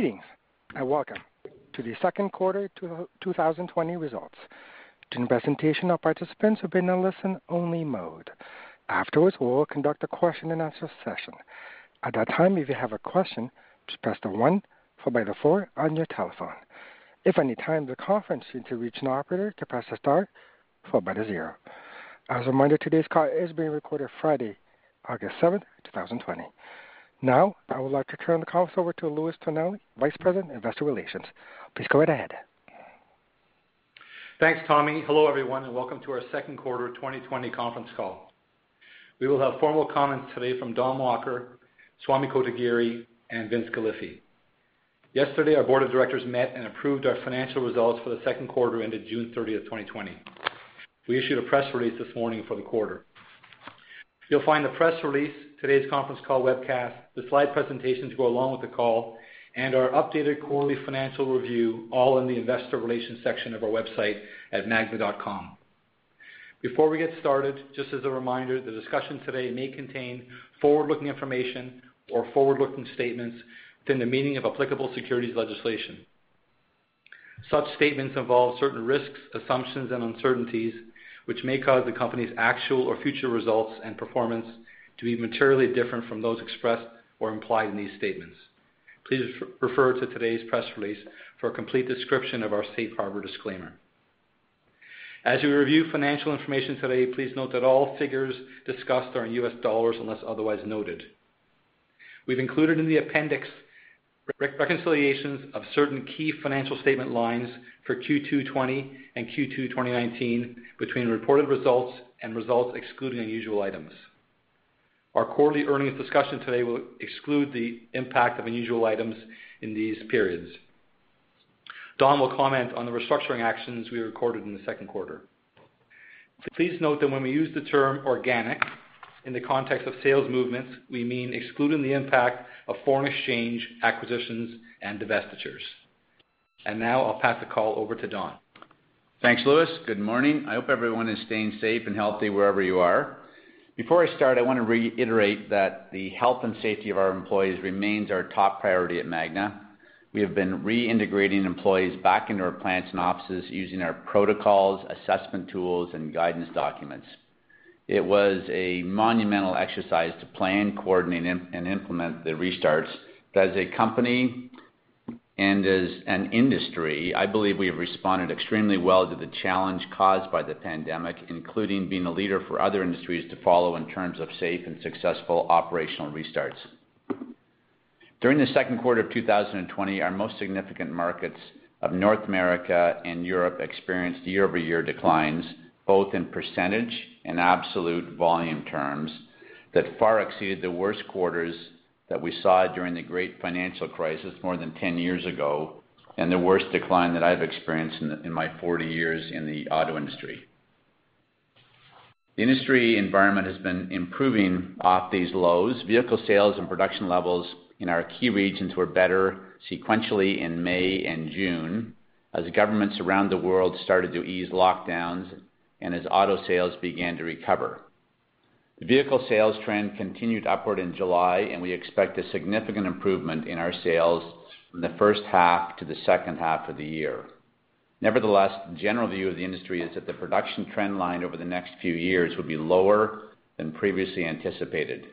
Greetings and welcome to the second quarter 2020 results. During the presentation, our participants will be in a listen-only mode. Afterwards, we will conduct a question-and-answer session. At that time, if you have a question, just press one, followed by the four, on your telephone. If any time the conference needs to reach an operator, just press the star, followed by the zero. As a reminder, today's call is being recorded Friday, August 7th, 2020. Now, I would like to turn the conference over to Louis Tonelli, Vice President, Investor Relations. Please go right ahead. Thanks, Tommy. Hello, everyone, and welcome to our second quarter 2020 conference call. We will have formal comments today from Don Walker, Swamy Kotagiri, and Vince Galifi. Yesterday, our Board of Directors met and approved our financial results for the second quarter ended June 30th, 2020. We issued a press release this morning for the quarter. You'll find the press release, today's conference call webcast, the slide presentations that go along with the call, and our updated quarterly financial review all in the Investor Relations section of our website at magna.com. Before we get started, just as a reminder, the discussion today may contain forward-looking information or forward-looking statements within the meaning of applicable Securities Legislation. Such statements involve certain risks, assumptions, and uncertainties which may cause the company's actual or future results and performance to be materially different from those expressed or implied in these statements. Please refer to today's press release for a complete description of our Safe Harbor disclaimer. As we review financial information today, please note that all figures discussed are in U.S. dollars unless otherwise noted. We have included in the appendix reconciliations of certain key financial statement lines for Q2 2020 and Q2 2019 between reported results and results excluding unusual items. Our quarterly earnings discussion today will exclude the impact of unusual items in these periods. Don will comment on the restructuring actions we recorded in the second quarter. Please note that when we use the term organic in the context of sales movements, we mean excluding the impact of foreign exchange, acquisitions, and divestitures. Now, I will pass the call over to Don. Thanks, Louis. Good morning. I hope everyone is staying safe and healthy wherever you are. Before I start, I want to reiterate that the health and safety of our employees remains our top priority at Magna. We have been reintegrating employees back into our plants and offices using our protocols, assessment tools, and guidance documents. It was a monumental exercise to plan, coordinate, and implement the restarts. As a company and as an industry, I believe we have responded extremely well to the challenge caused by the pandemic, including being a leader for other industries to follow in terms of safe and successful operational restarts. During the second quarter of 2020, our most significant markets of North America and Europe experienced year-over-year declines, both in percentage and absolute volume terms, that far exceeded the worst quarters that we saw during the great financial crisis more than 10 years ago and the worst decline that I've experienced in my 40 years in the auto industry. The industry environment has been improving off these lows. Vehicle sales and production levels in our key regions were better sequentially in May and June as governments around the world started to ease lockdowns and as auto sales began to recover. The vehicle sales trend continued upward in July, and we expect a significant improvement in our sales from the first half to the second half of the year. Nevertheless, the general view of the industry is that the production trend line over the next few years will be lower than previously anticipated.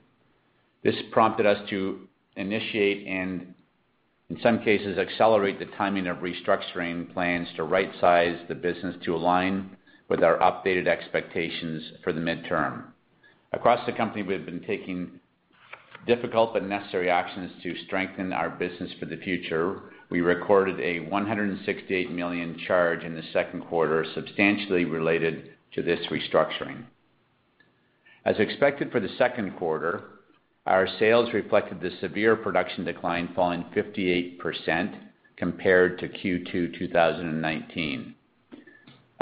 This prompted us to initiate and, in some cases, accelerate the timing of restructuring plans to right-size the business to align with our updated expectations for the midterm. Across the company, we have been taking difficult but necessary actions to strengthen our business for the future. We recorded a $168 million charge in the second quarter, substantially related to this restructuring. As expected for the second quarter, our sales reflected the severe production decline falling 58% compared to Q2 2019.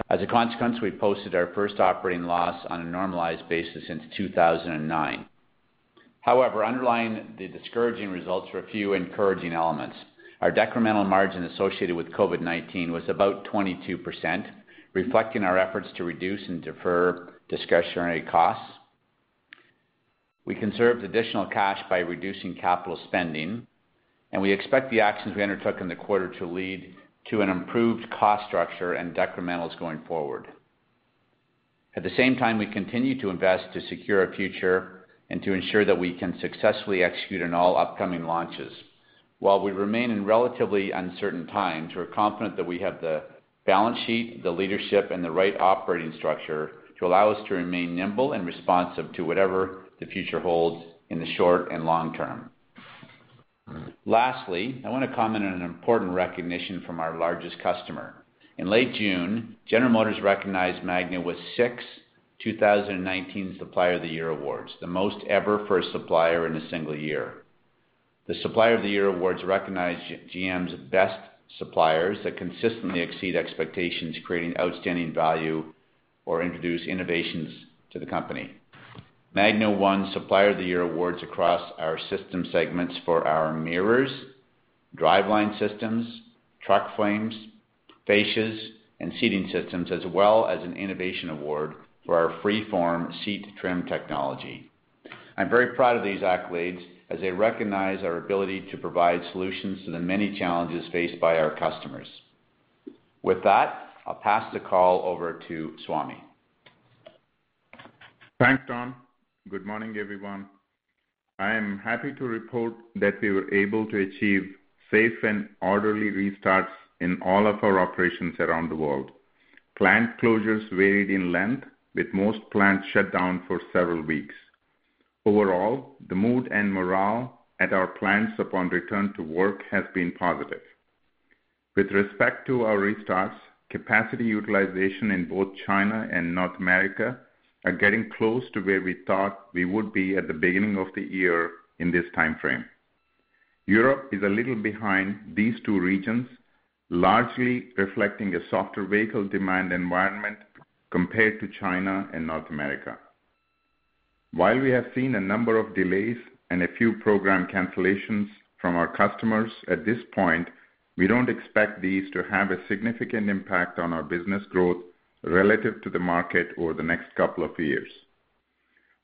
As a consequence, we posted our first operating loss on a normalized basis since 2009. However, underlying the discouraging results were a few encouraging elements. Our decremental margin associated with COVID-19 was about 22%, reflecting our efforts to reduce and defer discretionary costs. We conserved additional cash by reducing capital spending, and we expect the actions we undertook in the quarter to lead to an improved cost structure and decrementals going forward. At the same time, we continue to invest to secure a future and to ensure that we can successfully execute on all upcoming launches. While we remain in relatively uncertain times, we're confident that we have the balance sheet, the leadership, and the right operating structure to allow us to remain nimble and responsive to whatever the future holds in the short and long term. Lastly, I want to comment on an important recognition from our largest customer. In late June, General Motors recognized Magna with six 2019 Supplier of the Year awards, the most ever for a supplier in a single year. The Supplier of the Year awards recognize GM's best suppliers that consistently exceed expectations, creating outstanding value or introducing innovations to the company. Magna won Supplier of the Year awards across our system segments for our mirrors, driveline systems, truck frames, fascias, and seating systems, as well as an innovation award for our Freeform seat trim technology. I'm very proud of these accolades as they recognize our ability to provide solutions to the many challenges faced by our customers. With that, I'll pass the call over to Swamy. Thanks, Don. Good morning, everyone. I am happy to report that we were able to achieve safe and orderly restarts in all of our operations around the world. Plant closures varied in length, with most plants shut down for several weeks. Overall, the mood and morale at our plants upon return to work has been positive. With respect to our restarts, capacity utilization in both China and North America is getting close to where we thought we would be at the beginning of the year in this time frame. Europe is a little behind these two regions, largely reflecting a softer vehicle demand environment compared to China and North America. While we have seen a number of delays and a few program cancellations from our customers at this point, we don't expect these to have a significant impact on our business growth relative to the market over the next couple of years.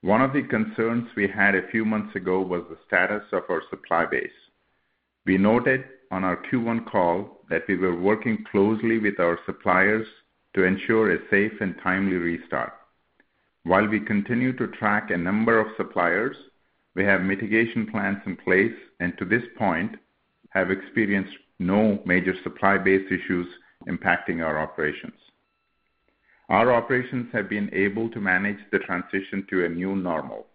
One of the concerns we had a few months ago was the status of our supply base. We noted on our Q1 call that we were working closely with our suppliers to ensure a safe and timely restart. While we continue to track a number of suppliers, we have mitigation plans in place and, to this point, have experienced no major supply base issues impacting our operations. Our operations have been able to manage the transition to a new normal.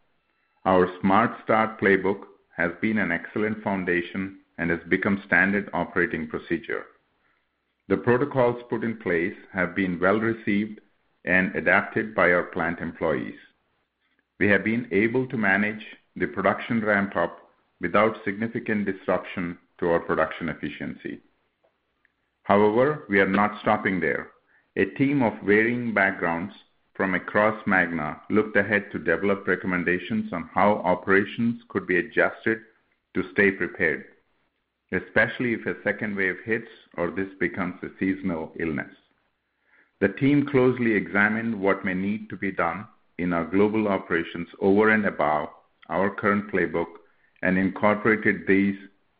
Our Smart Start Playbook has been an excellent foundation and has become standard operating procedure. The protocols put in place have been well received and adapted by our plant employees. We have been able to manage the production ramp-up without significant disruption to our production efficiency. However, we are not stopping there. A team of varying backgrounds from across Magna looked ahead to develop recommendations on how operations could be adjusted to stay prepared, especially if a second wave hits or this becomes a seasonal illness. The team closely examined what may need to be done in our global operations over and above our current playbook and incorporated these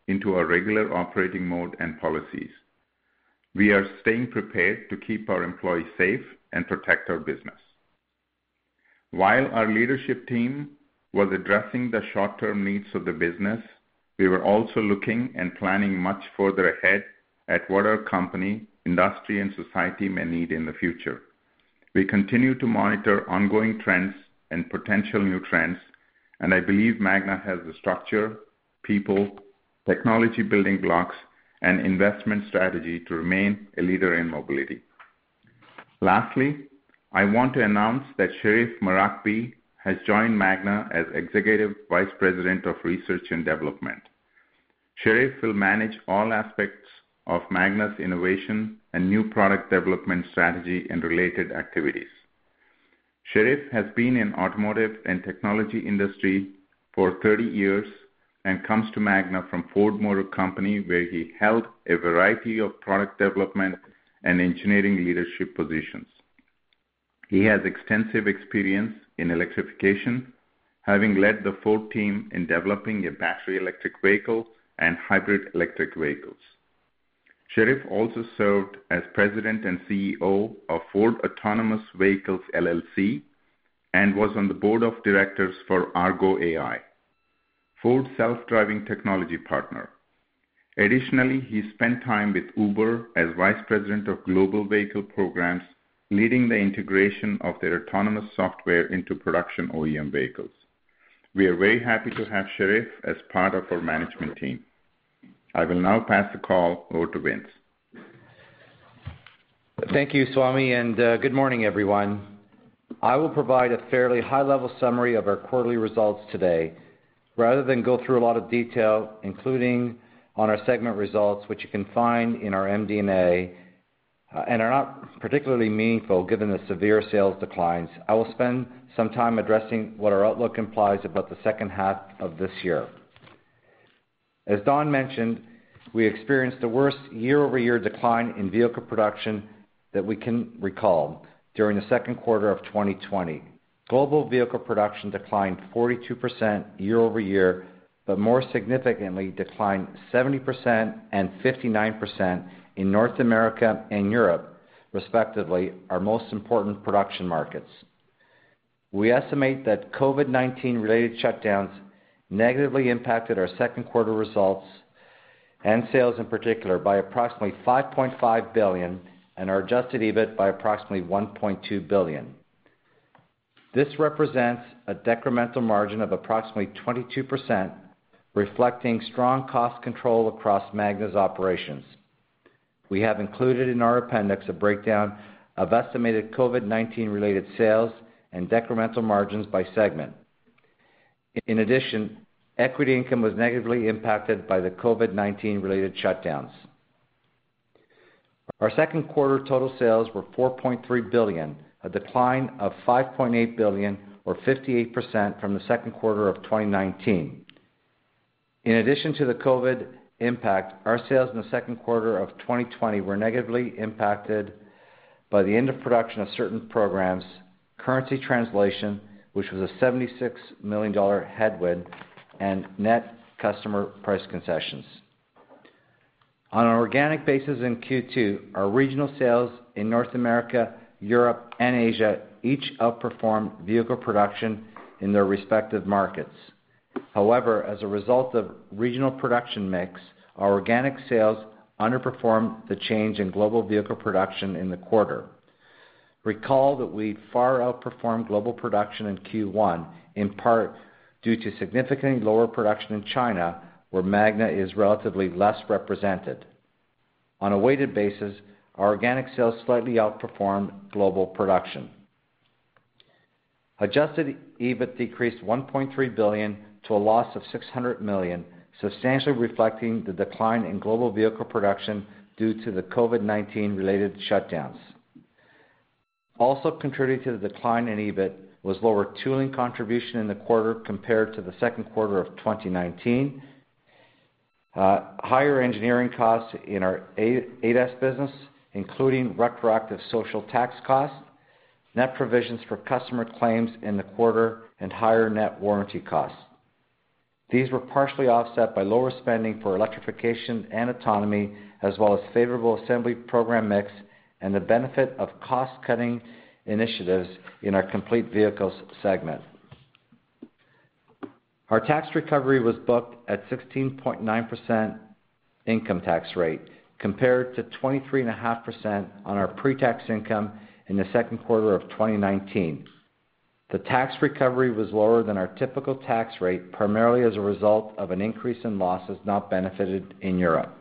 into our regular operating mode and policies. We are staying prepared to keep our employees safe and protect our business. While our leadership team was addressing the short-term needs of the business, we were also looking and planning much further ahead at what our company, industry, and society may need in the future. We continue to monitor ongoing trends and potential new trends, and I believe Magna has the structure, people, technology-building blocks, and investment strategy to remain a leader in mobility. Lastly, I want to announce that Sherif Marakby has joined Magna as Executive Vice President of Research and Development. Sherif will manage all aspects of Magna's innovation and new product development strategy and related activities. Sherif has been in the automotive and technology industry for 30 years and comes to Magna from Ford Motor Company, where he held a variety of product development and engineering leadership positions. He has extensive experience in electrification, having led the Ford team in developing a battery electric vehicle and hybrid electric vehicles. Sherif also served as President and CEO of Ford Autonomous Vehicles LLC and was on the board of directors for Argo AI, Ford's self-driving technology partner. Additionally, he spent time with Uber as Vice President of Global Vehicle Programs, leading the integration of their autonomous software into production OEM vehicles. We are very happy to have Sherif as part of our management team. I will now pass the call over to Vince. Thank you, Swamy, and good morning, everyone. I will provide a fairly high-level summary of our quarterly results today. Rather than go through a lot of detail, including on our segment results, which you can find in our MD&A and are not particularly meaningful given the severe sales declines, I will spend some time addressing what our outlook implies about the second half of this year. As Don mentioned, we experienced the worst year-over-year decline in vehicle production that we can recall during the second quarter of 2020. Global vehicle production declined 42% year-over-year, but more significantly, it declined 70% and 59% in North America and Europe, respectively, our most important production markets. We estimate that COVID-19-related shutdowns negatively impacted our second quarter results and sales in particular by approximately $5.5 billion and our adjusted EBIT by approximately $1.2 billion. This represents a decremental margin of approximately 22%, reflecting strong cost control across Magna's operations. We have included in our appendix a breakdown of estimated COVID-19-related sales and decremental margins by segment. In addition, equity income was negatively impacted by the COVID-19-related shutdowns. Our second quarter total sales were $4.3 billion, a decline of $5.8 billion, or 58%, from the second quarter of 2019. In addition to the COVID impact, our sales in the second quarter of 2020 were negatively impacted by the end of production of certain programs, currency translation, which was a $76 million headwind, and net customer price concessions. On an organic basis in Q2, our regional sales in North America, Europe, and Asia each outperformed vehicle production in their respective markets. However, as a result of regional production mix, our organic sales underperformed the change in global vehicle production in the quarter. Recall that we far outperformed global production in Q1, in part due to significantly lower production in China, where Magna is relatively less represented. On a weighted basis, our organic sales slightly outperformed global production. Adjusted EBIT decreased $1.3 billion to a loss of $600 million, substantially reflecting the decline in global vehicle production due to the COVID-19-related shutdowns. Also contributing to the decline in EBIT was lower tooling contribution in the quarter compared to the second quarter of 2019, higher engineering costs in our ADAS business, including retroactive social tax costs, net provisions for customer claims in the quarter, and higher net warranty costs. These were partially offset by lower spending for electrification and autonomy, as well as favorable assembly program mix and the benefit of cost-cutting initiatives in our complete vehicles segment. Our tax recovery was booked at 16.9% income tax rate compared to 23.5% on our pre-tax income in the second quarter of 2019. The tax recovery was lower than our typical tax rate, primarily as a result of an increase in losses not benefited in Europe.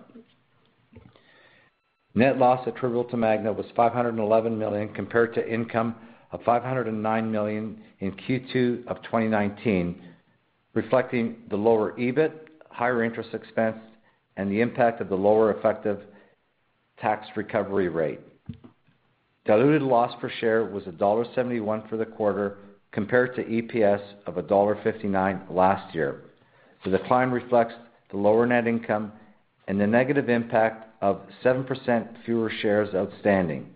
Net loss attributable to Magna was $511 million compared to income of $509 million in Q2 of 2019, reflecting the lower EBIT, higher interest expense, and the impact of the lower effective tax recovery rate. Diluted loss per share was $1.71 for the quarter compared to EPS of $1.59 last year. The decline reflects the lower net income and the negative impact of 7% fewer shares outstanding.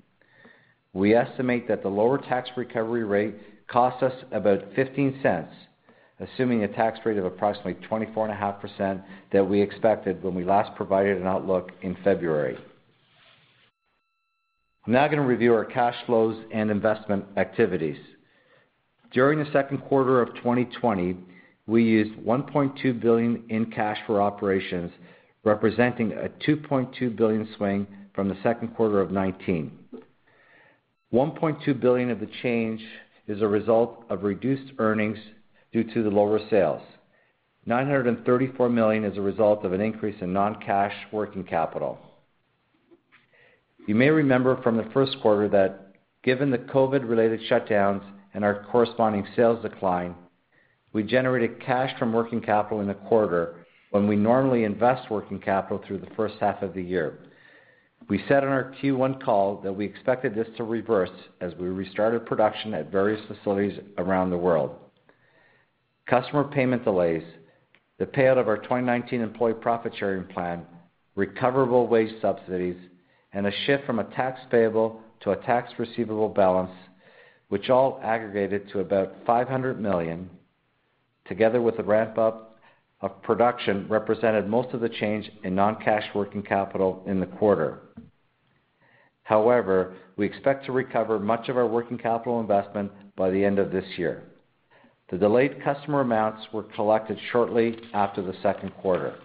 We estimate that the lower tax recovery rate cost us about $0.15, assuming a tax rate of approximately 24.5% that we expected when we last provided an outlook in February. I'm now going to review our cash flows and investment activities. During the second quarter of 2020, we used $1.2 billion in cash for operations, representing a $2.2 billion swing from the second quarter of 2019. $1.2 billion of the change is a result of reduced earnings due to the lower sales. $934 million is a result of an increase in non-cash working capital. You may remember from the first quarter that, given the COVID-related shutdowns and our corresponding sales decline, we generated cash from working capital in the quarter when we normally invest working capital through the first half of the year. We said on our Q1 call that we expected this to reverse as we restarted production at various facilities around the world. Customer payment delays, the payout of our 2019 employee profit sharing plan, recoverable wage subsidies, and a shift from a tax payable to a tax receivable balance, which all aggregated to about $500 million, together with a ramp-up of production, represented most of the change in non-cash working capital in the quarter. However, we expect to recover much of our working capital investment by the end of this year. The delayed customer amounts were collected shortly after the second quarter.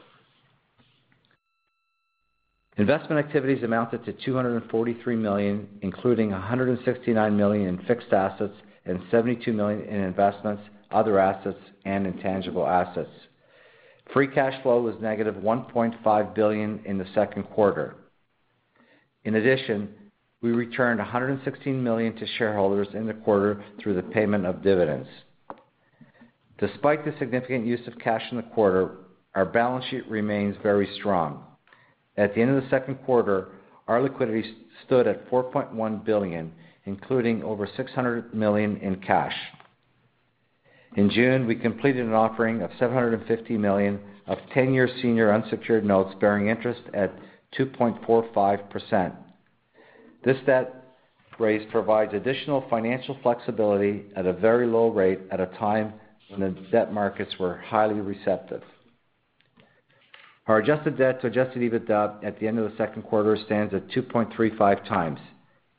Investment activities amounted to $243 million, including $169 million in fixed assets and $72 million in investments, other assets, and intangible assets. Free cash flow was -$1.5 billion in the second quarter. In addition, we returned $116 million to shareholders in the quarter through the payment of dividends. Despite the significant use of cash in the quarter, our balance sheet remains very strong. At the end of the second quarter, our liquidity stood at $4.1 billion, including over $600 million in cash. In June, we completed an offering of $750 million of 10-year senior unsecured notes bearing interest at 2.45%. This debt raise provides additional financial flexibility at a very low rate at a time when the debt markets were highly receptive. Our adjusted debt to adjusted EBITDA at the end of the second quarter stands at 2.35x.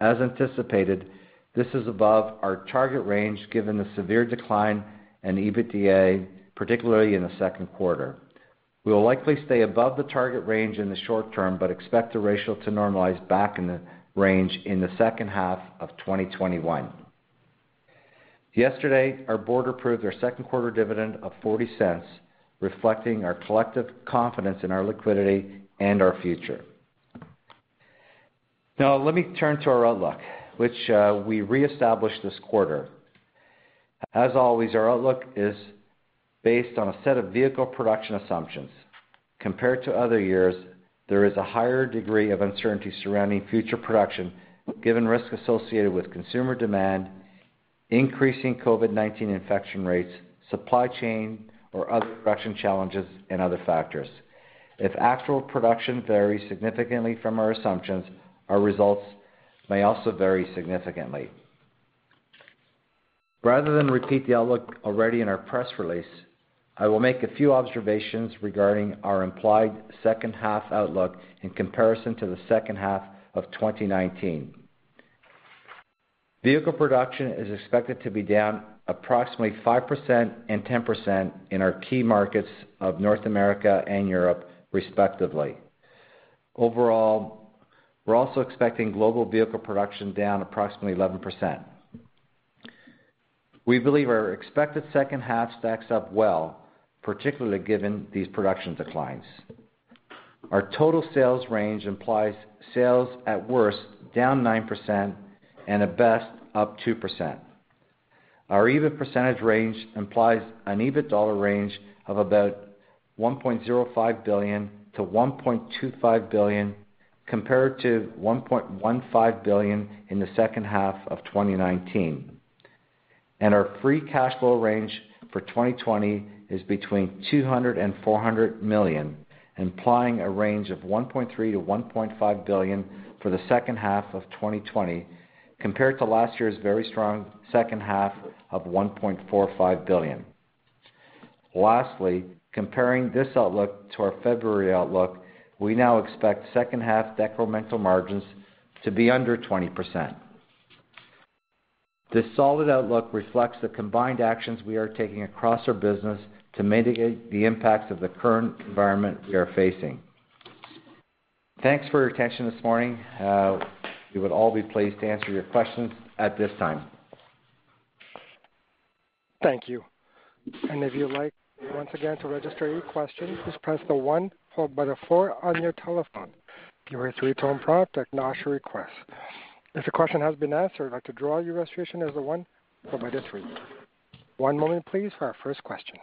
As anticipated, this is above our target range given the severe decline in EBITDA, particularly in the second quarter. We will likely stay above the target range in the short term but expect the ratio to normalize back in the range in the second half of 2021. Yesterday, our board approved our second quarter dividend of $0.40, reflecting our collective confidence in our liquidity and our future. Now, let me turn to our outlook, which we reestablished this quarter. As always, our outlook is based on a set of vehicle production assumptions. Compared to other years, there is a higher degree of uncertainty surrounding future production given risks associated with consumer demand, increasing COVID-19 infection rates, supply chain, or other production challenges, and other factors. If actual production varies significantly from our assumptions, our results may also vary significantly. Rather than repeat the outlook already in our press release, I will make a few observations regarding our implied second half outlook in comparison to the second half of 2019. Vehicle production is expected to be down approximately 5% and 10% in our key markets of North America and Europe, respectively. Overall, we're also expecting global vehicle production down approximately 11%. We believe our expected second half stacks up well, particularly given these production declines. Our total sales range implies sales at worst down 9% and at best up 2%. Our EBIT percentage range implies an EBITDA dollar range of about $1.05 billion-$1.25 billion compared to $1.15 billion in the second half of 2019. Our free cash flow range for 2020 is between $200 million and $400 million, implying a range of $1.3 billion-$1.5 billion for the second half of 2020 compared to last year's very strong second half of $1.45 billion. Lastly, comparing this outlook to our February outlook, we now expect second half decremental margins to be under 20%. This solid outlook reflects the combined actions we are taking across our business to mitigate the impacts of the current environment we are facing. Thanks for your attention this morning. We would all be pleased to answer your questions at this time. Thank you. If you'd like, once again, to register your question, just press the one followed by the four on your telephone. Give it a three-tone prompt that can answer your request. If the question has been answered, I'd like to draw your registration as the one followed by the three. One moment, please, for our first question.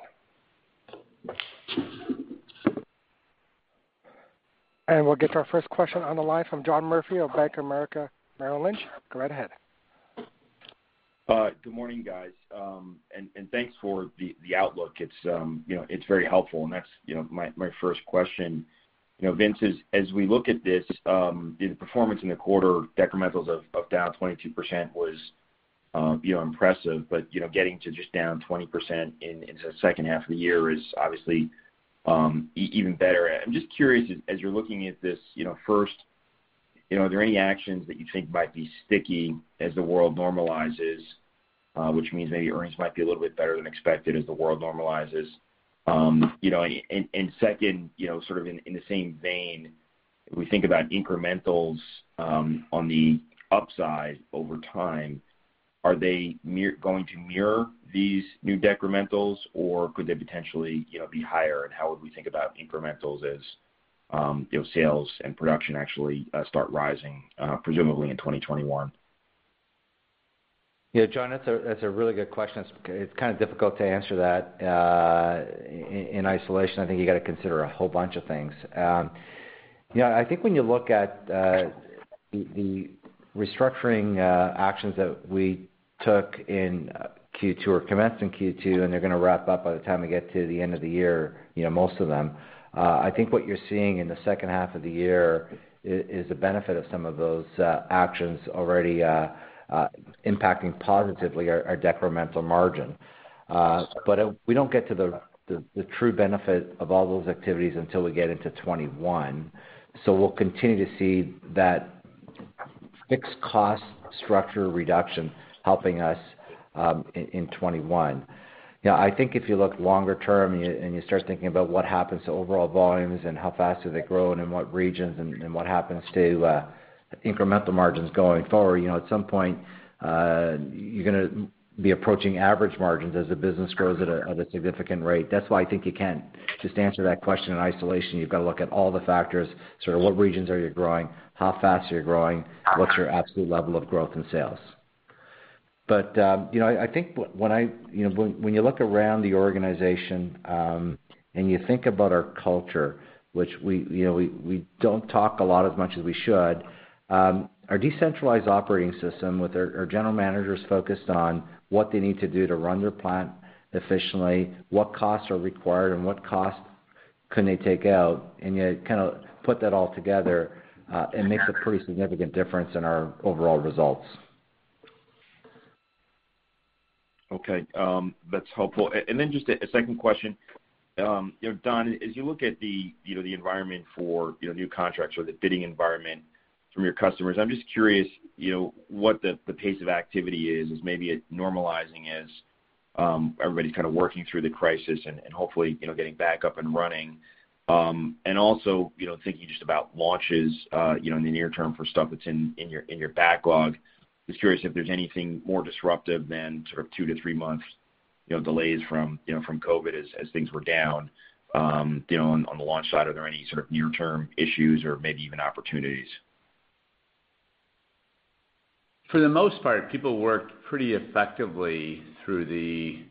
We'll get to our first question on the line from John Murphy of Bank of America Merrill Lynch. Go right ahead. Good morning, guys. And thanks for the outlook. It's very helpful. That's my first question. Vince, as we look at this, the performance in the quarter, decrementals of down 22% was impressive. Getting to just down 20% in the second half of the year is obviously even better. I'm just curious, as you're looking at this, first, are there any actions that you think might be sticky as the world normalizes, which means maybe earnings might be a little bit better than expected as the world normalizes? Second, sort of in the same vein, if we think about incrementals on the upside over time, are they going to mirror these new decrementals, or could they potentially be higher? How would we think about incrementals as sales and production actually start rising, presumably in 2021? Yeah, John, that's a really good question. It's kind of difficult to answer that in isolation. I think you got to consider a whole bunch of things. I think when you look at the restructuring actions that we took in Q2 or commenced in Q2, and they're going to wrap up by the time we get to the end of the year, most of them, I think what you're seeing in the second half of the year is the benefit of some of those actions already impacting positively our decremental margin. We don't get to the true benefit of all those activities until we get into 2021. We will continue to see that fixed cost structure reduction helping us in 2021. I think if you look longer term and you start thinking about what happens to overall volumes and how fast do they grow and in what regions and what happens to incremental margins going forward, at some point, you're going to be approaching average margins as the business grows at a significant rate. That's why I think you can't just answer that question in isolation. You've got to look at all the factors, sort of what regions are you growing, how fast are you growing, what's your absolute level of growth in sales. I think when you look around the organization and you think about our culture, which we do not talk a lot as much as we should, our decentralized operating system with our general managers focused on what they need to do to run their plant efficiently, what costs are required, and what costs can they take out, and you kind of put that all together, it makes a pretty significant difference in our overall results. Okay. That's helpful. Just a second question. Don, as you look at the environment for new contracts or the bidding environment from your customers, I'm just curious what the pace of activity is as maybe it is normalizing as everybody's kind of working through the crisis and hopefully getting back up and running. Also thinking just about launches in the near term for stuff that's in your backlog. Just curious if there's anything more disruptive than sort of two- to three-month delays from COVID as things were down. On the launch side, are there any sort of near-term issues or maybe even opportunities? For the most part, people worked pretty effectively through the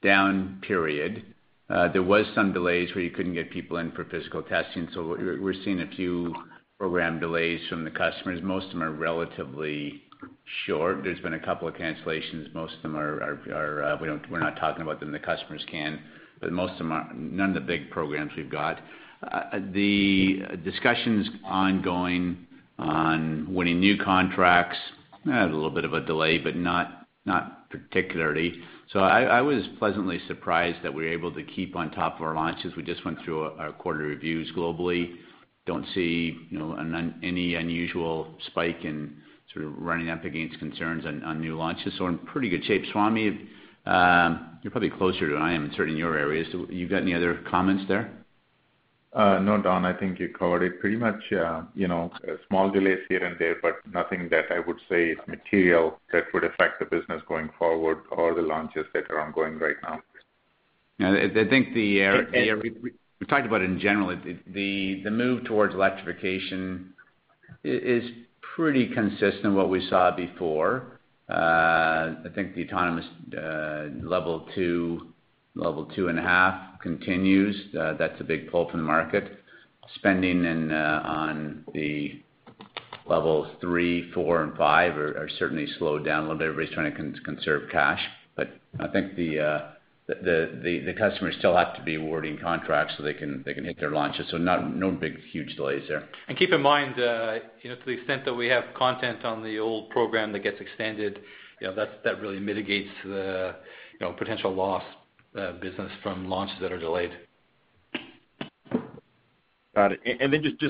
down period. There were some delays where you could not get people in for physical testing. We are seeing a few program delays from the customers. Most of them are relatively short. There have been a couple of cancellations. Most of them are, we are not talking about them. The customers can. Most of them, none of the big programs we have. The discussion is ongoing on winning new contracts. We had a little bit of a delay, not particularly. I was pleasantly surprised that we were able to keep on top of our launches. We just went through our quarterly reviews globally. I do not see any unusual spike in sort of running up against concerns on new launches. We are in pretty good shape. Swamy, you are probably closer to it than I am, and certainly in your areas. Have got any other comments there? No, Don. I think you covered it. Pretty much small delays here and there, but nothing that I would say is material that would affect the business going forward or the launches that are ongoing right now. I think the area we've talked about in general, the move towards electrification is pretty consistent with what we saw before. I think the autonomous level two, level two and a half continues. That's a big pull from the market. Spending on the level three, four, and five are certainly slowed down a little bit. Everybody's trying to conserve cash. I think the customers still have to be awarding contracts so they can hit their launches. No big huge delays there. Keep in mind, to the extent that we have content on the old program that gets extended, that really mitigates the potential loss business from launches that are delayed. Got it.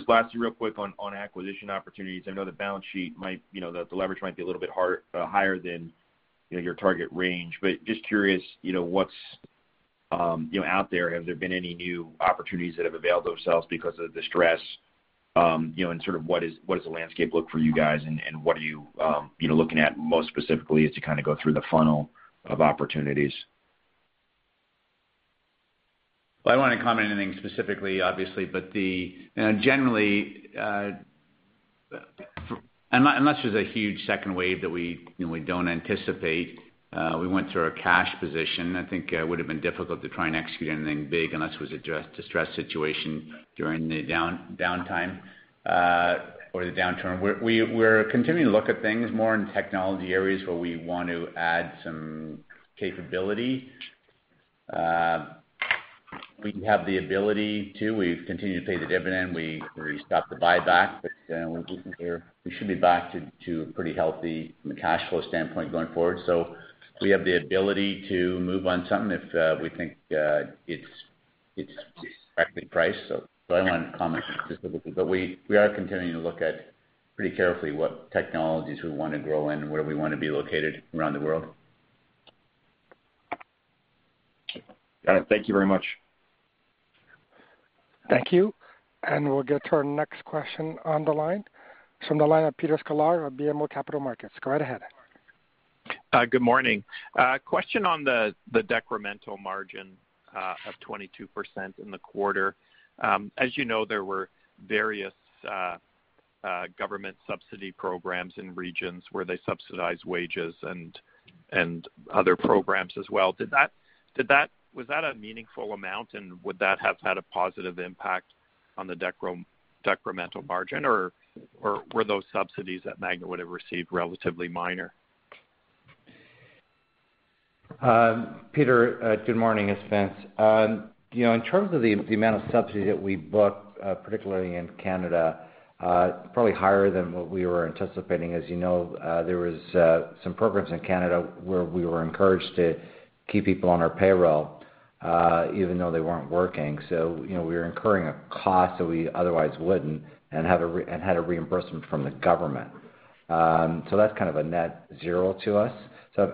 Lastly, real quick on acquisition opportunities. I know the balance sheet might, the leverage might be a little bit higher than your target range. Just curious what's out there. Have there been any new opportunities that have availed themselves because of the stress? What does the landscape look for you guys, and what are you looking at most specifically as you kind of go through the funnel of opportunities? I do not want to comment on anything specifically, obviously, but generally, unless there is a huge second wave that we do not anticipate, we went through our cash position. I think it would have been difficult to try and execute anything big unless it was a distressed situation during the downtime or the downturn. We are continuing to look at things more in technology areas where we want to add some capability. We have the ability to. We continue to pay the dividend. We stopped the buyback, but we should be back to a pretty healthy cash flow standpoint going forward. We have the ability to move on something if we think it is correctly priced. I do not want to comment specifically. We are continuing to look at pretty carefully what technologies we want to grow in and where we want to be located around the world. Got it. Thank you very much. Thank you. We will get to our next question on the line from the line of Peter Scolaro at BMO Capital Markets. Go right ahead. Good morning. Question on the decremental margin of 22% in the quarter. As you know, there were various government subsidy programs in regions where they subsidized wages and other programs as well. Was that a meaningful amount, and would that have had a positive impact on the decremental margin, or were those subsidies that Magna would have received relatively minor? Peter, good morning, it's Vince. In terms of the amount of subsidy that we book, particularly in Canada, probably higher than what we were anticipating. As you know, there were some programs in Canada where we were encouraged to keep people on our payroll even though they were not working. We were incurring a cost that we otherwise would not and had a reimbursement from the government. That is kind of a net zero to us.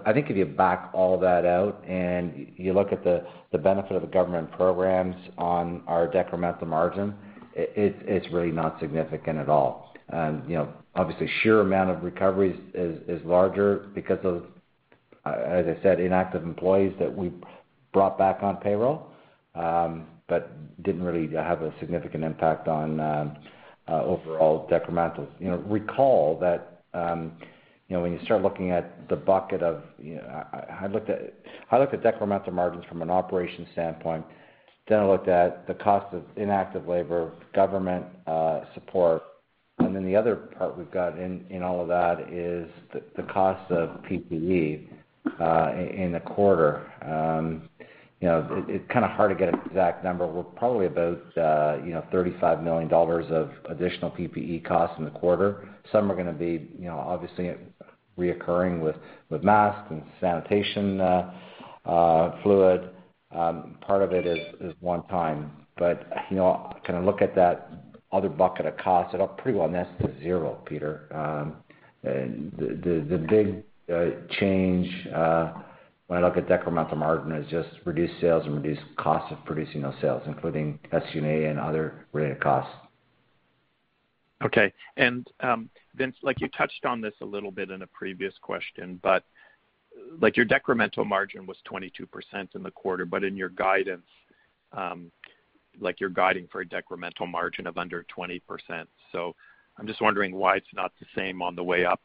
I think if you back all that out and you look at the benefit of the government programs on our decremental margin, it is really not significant at all. Obviously, the sheer amount of recovery is larger because of, as I said, inactive employees that we brought back on payroll but did not really have a significant impact on overall decrementals. Recall that when you start looking at the bucket of I looked at decremental margins from an operations standpoint. Then I looked at the cost of inactive labor, government support. The other part we have in all of that is the cost of PPE in the quarter. It is kind of hard to get an exact number. We are probably about $35 million of additional PPE costs in the quarter. Some are going to be obviously recurring with masks and sanitation fluid. Part of it is one time. If you look at that other bucket of costs, it pretty well nets to zero, Peter. The big change when I look at decremental margin is just reduced sales and reduced costs of producing those sales, including SG&A and other related costs. Okay. Vince, you touched on this a little bit in a previous question, but your decremental margin was 22% in the quarter, but in your guidance, you're guiding for a decremental margin of under 20%. I'm just wondering why it's not the same on the way up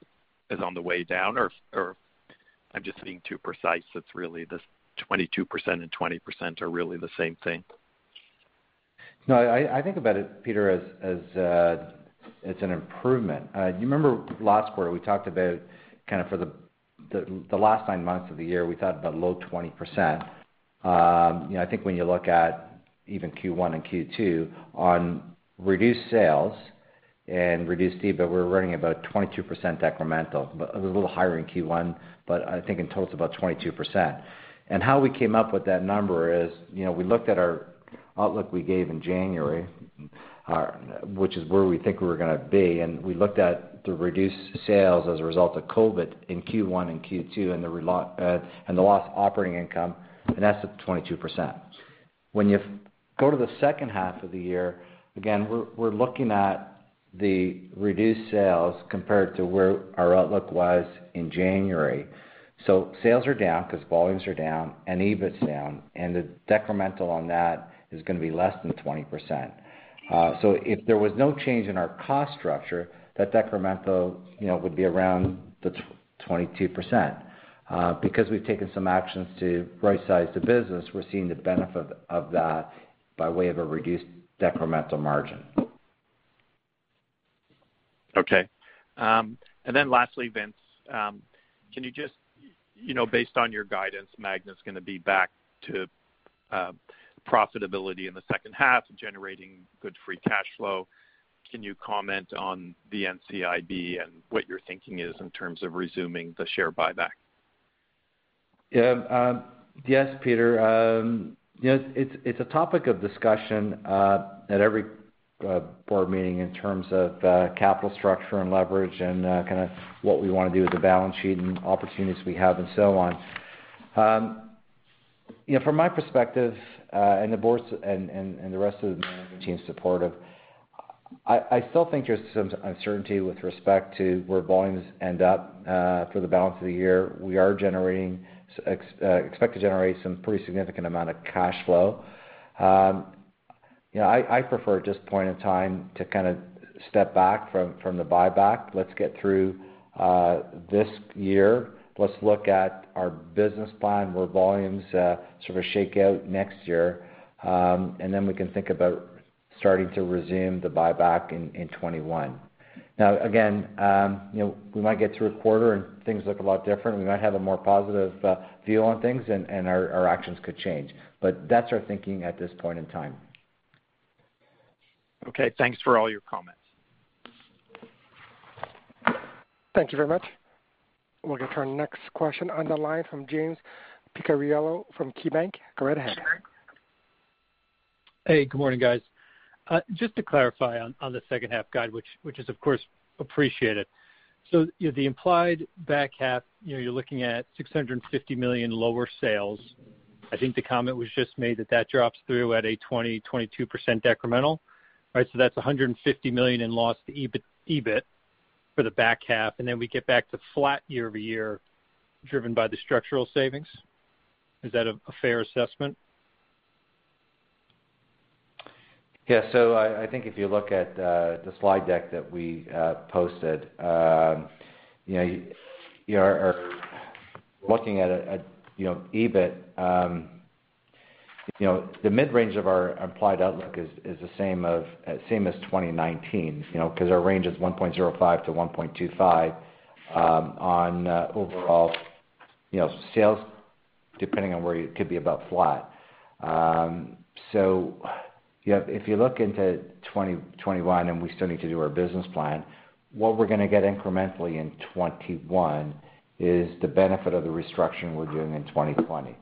as on the way down, or I'm just being too precise. It's really this 22% and 20% are really the same thing. No, I think about it, Peter, as it's an improvement. You remember last quarter, we talked about kind of for the last nine months of the year, we thought about low 20%. I think when you look at even Q1 and Q2 on reduced sales and reduced EBIT, we're running about 22% decremental. It was a little higher in Q1, but I think in total it's about 22%. How we came up with that number is we looked at our outlook we gave in January, which is where we think we were going to be. We looked at the reduced sales as a result of COVID in Q1 and Q2 and the lost operating income, and that's at 22%. When you go to the second half of the year, again, we're looking at the reduced sales compared to where our outlook was in January. Sales are down because volumes are down and EBITs down, and the decremental on that is going to be less than 20%. If there was no change in our cost structure, that decremental would be around 22%. Because we've taken some actions to right-size the business, we're seeing the benefit of that by way of a reduced decremental margin. Okay. Lastly, Vince, can you just, based on your guidance, Magna's going to be back to profitability in the second half, generating good free cash flow. Can you comment on the NCIB and what your thinking is in terms of resuming the share buyback? Yeah. Yes, Peter. It is a topic of discussion at every board meeting in terms of capital structure and leverage and kind of what we want to do with the balance sheet and opportunities we have and so on. From my perspective, and the board's and the rest of the management team's support, I still think there is some uncertainty with respect to where volumes end up for the balance of the year. We are generating, expect to generate, some pretty significant amount of cash flow. I prefer at this point in time to kind of step back from the buyback. Let us get through this year. Let us look at our business plan where volumes sort of shake out next year, and then we can think about starting to resume the buyback in 2021. Now, again, we might get through a quarter and things look a lot different. We might have a more positive view on things, and our actions could change. That is our thinking at this point in time. Okay. Thanks for all your comments. Thank you very much. We'll get to our next question on the line from James Picariello from KeyBanc. Go right ahead. Hey, good morning, guys. Just to clarify on the second-half guide, which is, of course, appreciated. The implied back half, you're looking at $650 million lower sales. I think the comment was just made that that drops through at a 20%-22% decremental. Right? That's $150 million in loss to EBIT for the back half. Then we get back to flat year-over-year driven by the structural savings. Is that a fair assessment? Yeah. I think if you look at the slide deck that we posted, you're looking at EBIT. The mid-range of our implied outlook is the same as 2019 because our range is $1.05-$1.25 on overall sales, depending on where you could be about flat. If you look into 2021, and we still need to do our business plan, what we're going to get incrementally in 2021 is the benefit of the restructuring we're doing in 2020.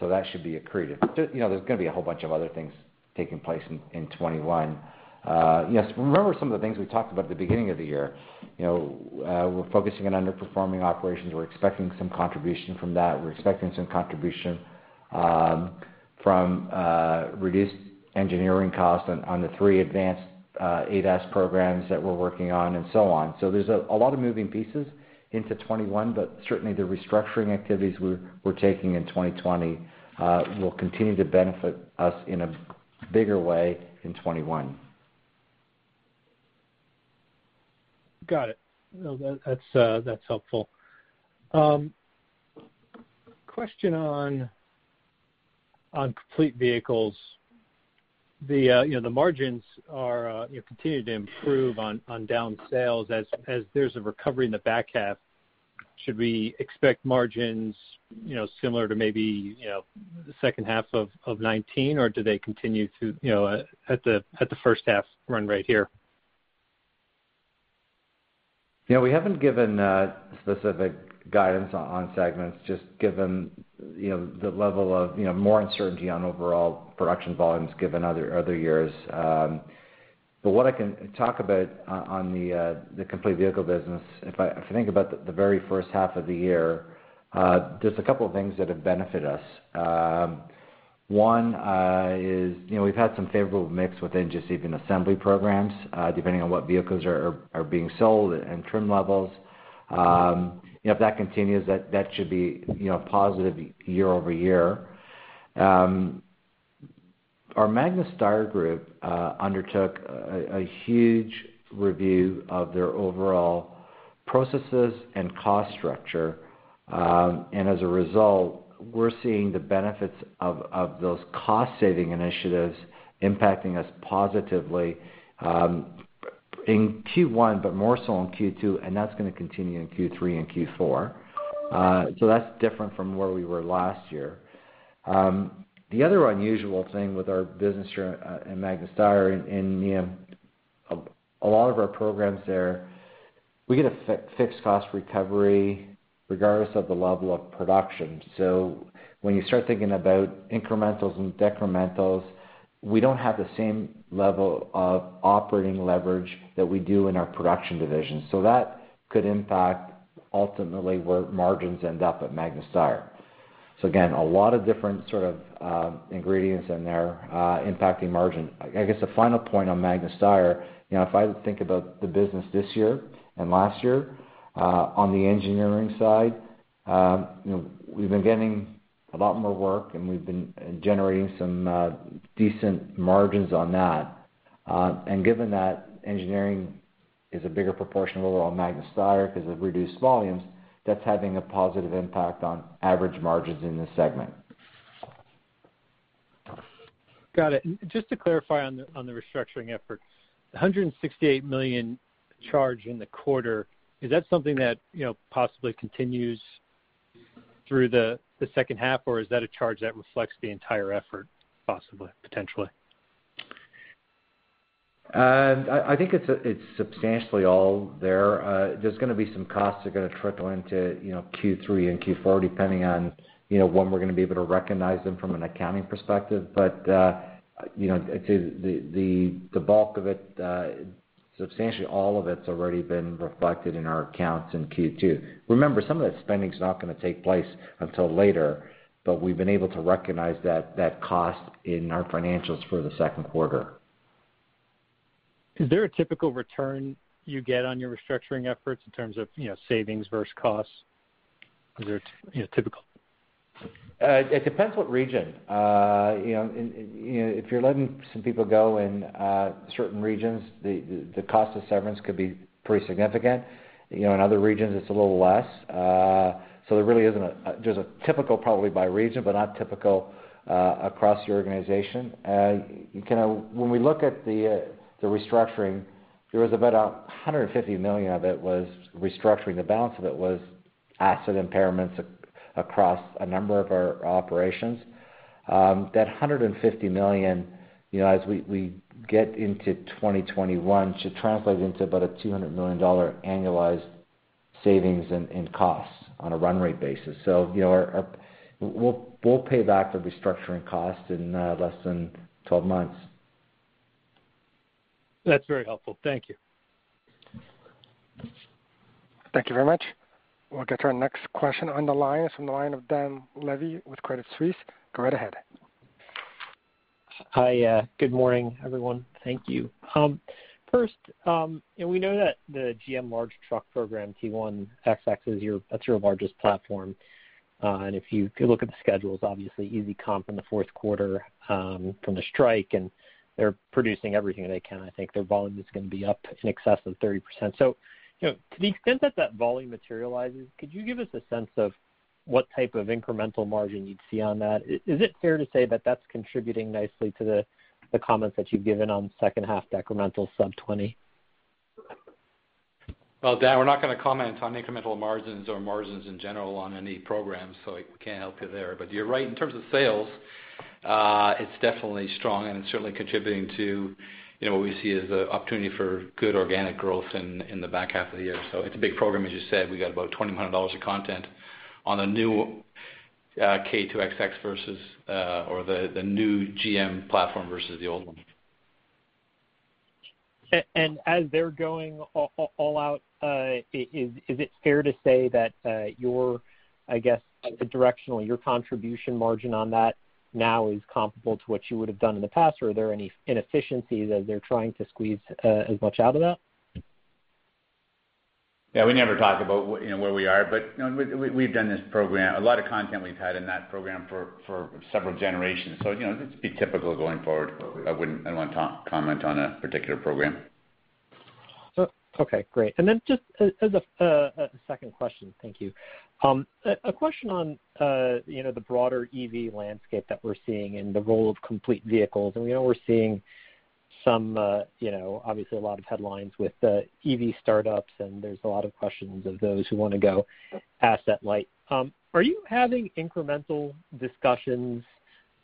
That should be accretive. There's going to be a whole bunch of other things taking place in 2021. Remember some of the things we talked about at the beginning of the year. We're focusing on underperforming operations. We're expecting some contribution from that. We're expecting some contribution from reduced engineering costs on the three advanced ADAS programs that we're working on and so on. There are a lot of moving pieces into 2021, but certainly the restructuring activities we are taking in 2020 will continue to benefit us in a bigger way in 2021. Got it. No, that's helpful. Question on complete vehicles. The margins continue to improve on down sales as there's a recovery in the back half. Should we expect margins similar to maybe the second half of 2019, or do they continue to at the first half run right here? Yeah. We haven't given specific guidance on segments, just given the level of more uncertainty on overall production volumes given other years. What I can talk about on the complete vehicle business, if I think about the very first half of the year, there's a couple of things that have benefited us. One is we've had some favorable mix within just even assembly programs, depending on what vehicles are being sold and trim levels. If that continues, that should be a positive year-over-year. Our Magna Steyr Group undertook a huge review of their overall processes and cost structure. As a result, we're seeing the benefits of those cost-saving initiatives impacting us positively in Q1, but more so in Q2, and that's going to continue in Q3 and Q4. That is different from where we were last year. The other unusual thing with our business here at Magna Steyr, in a lot of our programs there, we get a fixed cost recovery regardless of the level of production. When you start thinking about incrementals and decrementals, we do not have the same level of operating leverage that we do in our production division. That could impact ultimately where margins end up at Magna Steyr. Again, a lot of different sort of ingredients in there impacting margin. I guess the final point on Magna Steyr, if I think about the business this year and last year on the engineering side, we have been getting a lot more work, and we have been generating some decent margins on that. Given that engineering is a bigger proportion of overall Magna Steyr because of reduced volumes, that is having a positive impact on average margins in this segment. Got it. Just to clarify on the restructuring effort, $168 million charge in the quarter, is that something that possibly continues through the second half, or is that a charge that reflects the entire effort possibly, potentially? I think it's substantially all there. There's going to be some costs that are going to trickle into Q3 and Q4, depending on when we're going to be able to recognize them from an accounting perspective. I'd say the bulk of it, substantially all of it's already been reflected in our accounts in Q2. Remember, some of that spending is not going to take place until later, but we've been able to recognize that cost in our financials for the second quarter. Is there a typical return you get on your restructuring efforts in terms of savings versus costs? Is there a typical? It depends what region. If you're letting some people go in certain regions, the cost of severance could be pretty significant. In other regions, it's a little less. There really isn't a typical, probably by region, but not typical across your organization. When we look at the restructuring, there was about $150 million of it that was restructuring. The balance of it was asset impairments across a number of our operations. That $150 million, as we get into 2021, should translate into about a $200 million annualized savings in costs on a run rate basis. We'll pay back the restructuring costs in less than 12 months. That's very helpful. Thank you. Thank you very much. We'll get to our next question on the line. It's from the line of Dan Levy with Credit Suisse. Go right ahead. Hi. Good morning, everyone. Thank you. First, we know that the GM large truck program, T1XX, that's your largest platform. If you look at the schedules, obviously, EZCOM from the fourth quarter from the strike, and they're producing everything they can. I think their volume is going to be up in excess of 30%. To the extent that that volume materializes, could you give us a sense of what type of incremental margin you'd see on that? Is it fair to say that that's contributing nicely to the comments that you've given on second-half decremental sub-20? Dan, we're not going to comment on incremental margins or margins in general on any program, so we can't help you there. You're right. In terms of sales, it's definitely strong, and it's certainly contributing to what we see as the opportunity for good organic growth in the back half of the year. It's a big program, as you said. We got about $20 million of content on the new K2XX versus or the new GM platform versus the old one. As they're going all out, is it fair to say that your, I guess, directionally, your contribution margin on that now is comparable to what you would have done in the past, or are there any inefficiencies as they're trying to squeeze as much out of that? Yeah. We never talk about where we are, but we've done this program. A lot of content we've had in that program for several generations. It'd be typical going forward. I wouldn't want to comment on a particular program. Okay. Great. Just as a second question, thank you. A question on the broader EV landscape that we're seeing and the role of complete vehicles. We know we're seeing some, obviously, a lot of headlines with EV startups, and there's a lot of questions of those who want to go asset light. Are you having incremental discussions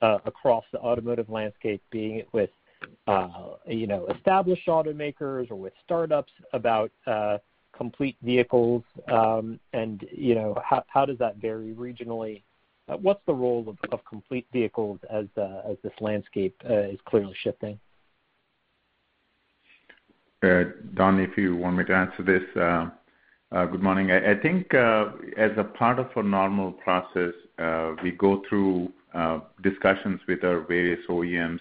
across the automotive landscape, being it with established automakers or with startups, about complete vehicles? How does that vary regionally? What's the role of complete vehicles as this landscape is clearly shifting? Don, if you want me to answer this, good morning. I think as a part of a normal process, we go through discussions with our various OEMs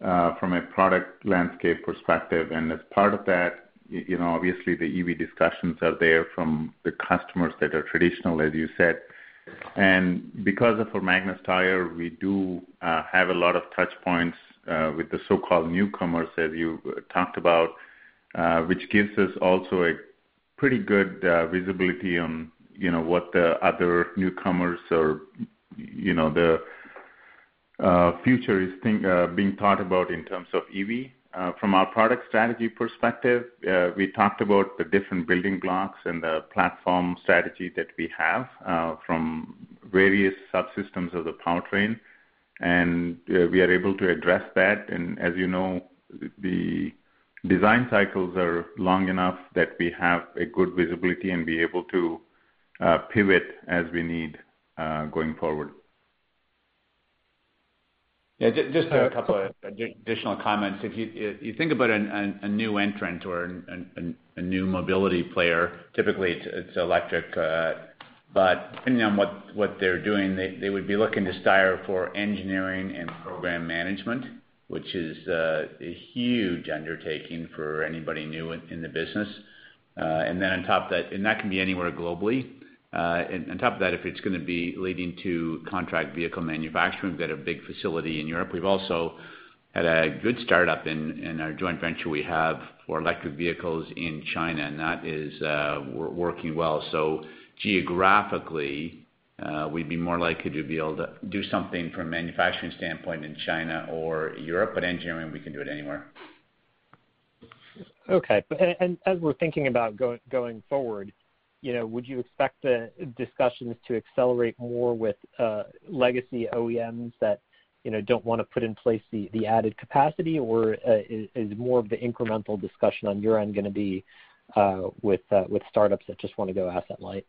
from a product landscape perspective. As part of that, obviously, the EV discussions are there from the customers that are traditional, as you said. Because of our Magna Steyr, we do have a lot of touchpoints with the so-called newcomers, as you talked about, which gives us also a pretty good visibility on what the other newcomers or the future is being thought about in terms of EV. From our product strategy perspective, we talked about the different building blocks and the platform strategy that we have from various subsystems of the powertrain. We are able to address that. As you know, the design cycles are long enough that we have good visibility and are able to pivot as we need going forward. Yeah. Just a couple of additional comments. If you think about a new entrant or a new mobility player, typically it's electric, but depending on what they're doing, they would be looking to Steyr for engineering and program management, which is a huge undertaking for anybody new in the business. On top of that, and that can be anywhere globally. On top of that, if it's going to be leading to contract vehicle manufacturing, we've got a big facility in Europe. We've also had a good startup in our joint venture we have for electric vehicles in China, and that is working well. Geographically, we'd be more likely to be able to do something from a manufacturing standpoint in China or Europe, but engineering, we can do it anywhere. Okay. As we're thinking about going forward, would you expect the discussions to accelerate more with legacy OEMs that do not want to put in place the added capacity, or is more of the incremental discussion on your end going to be with startups that just want to go asset light?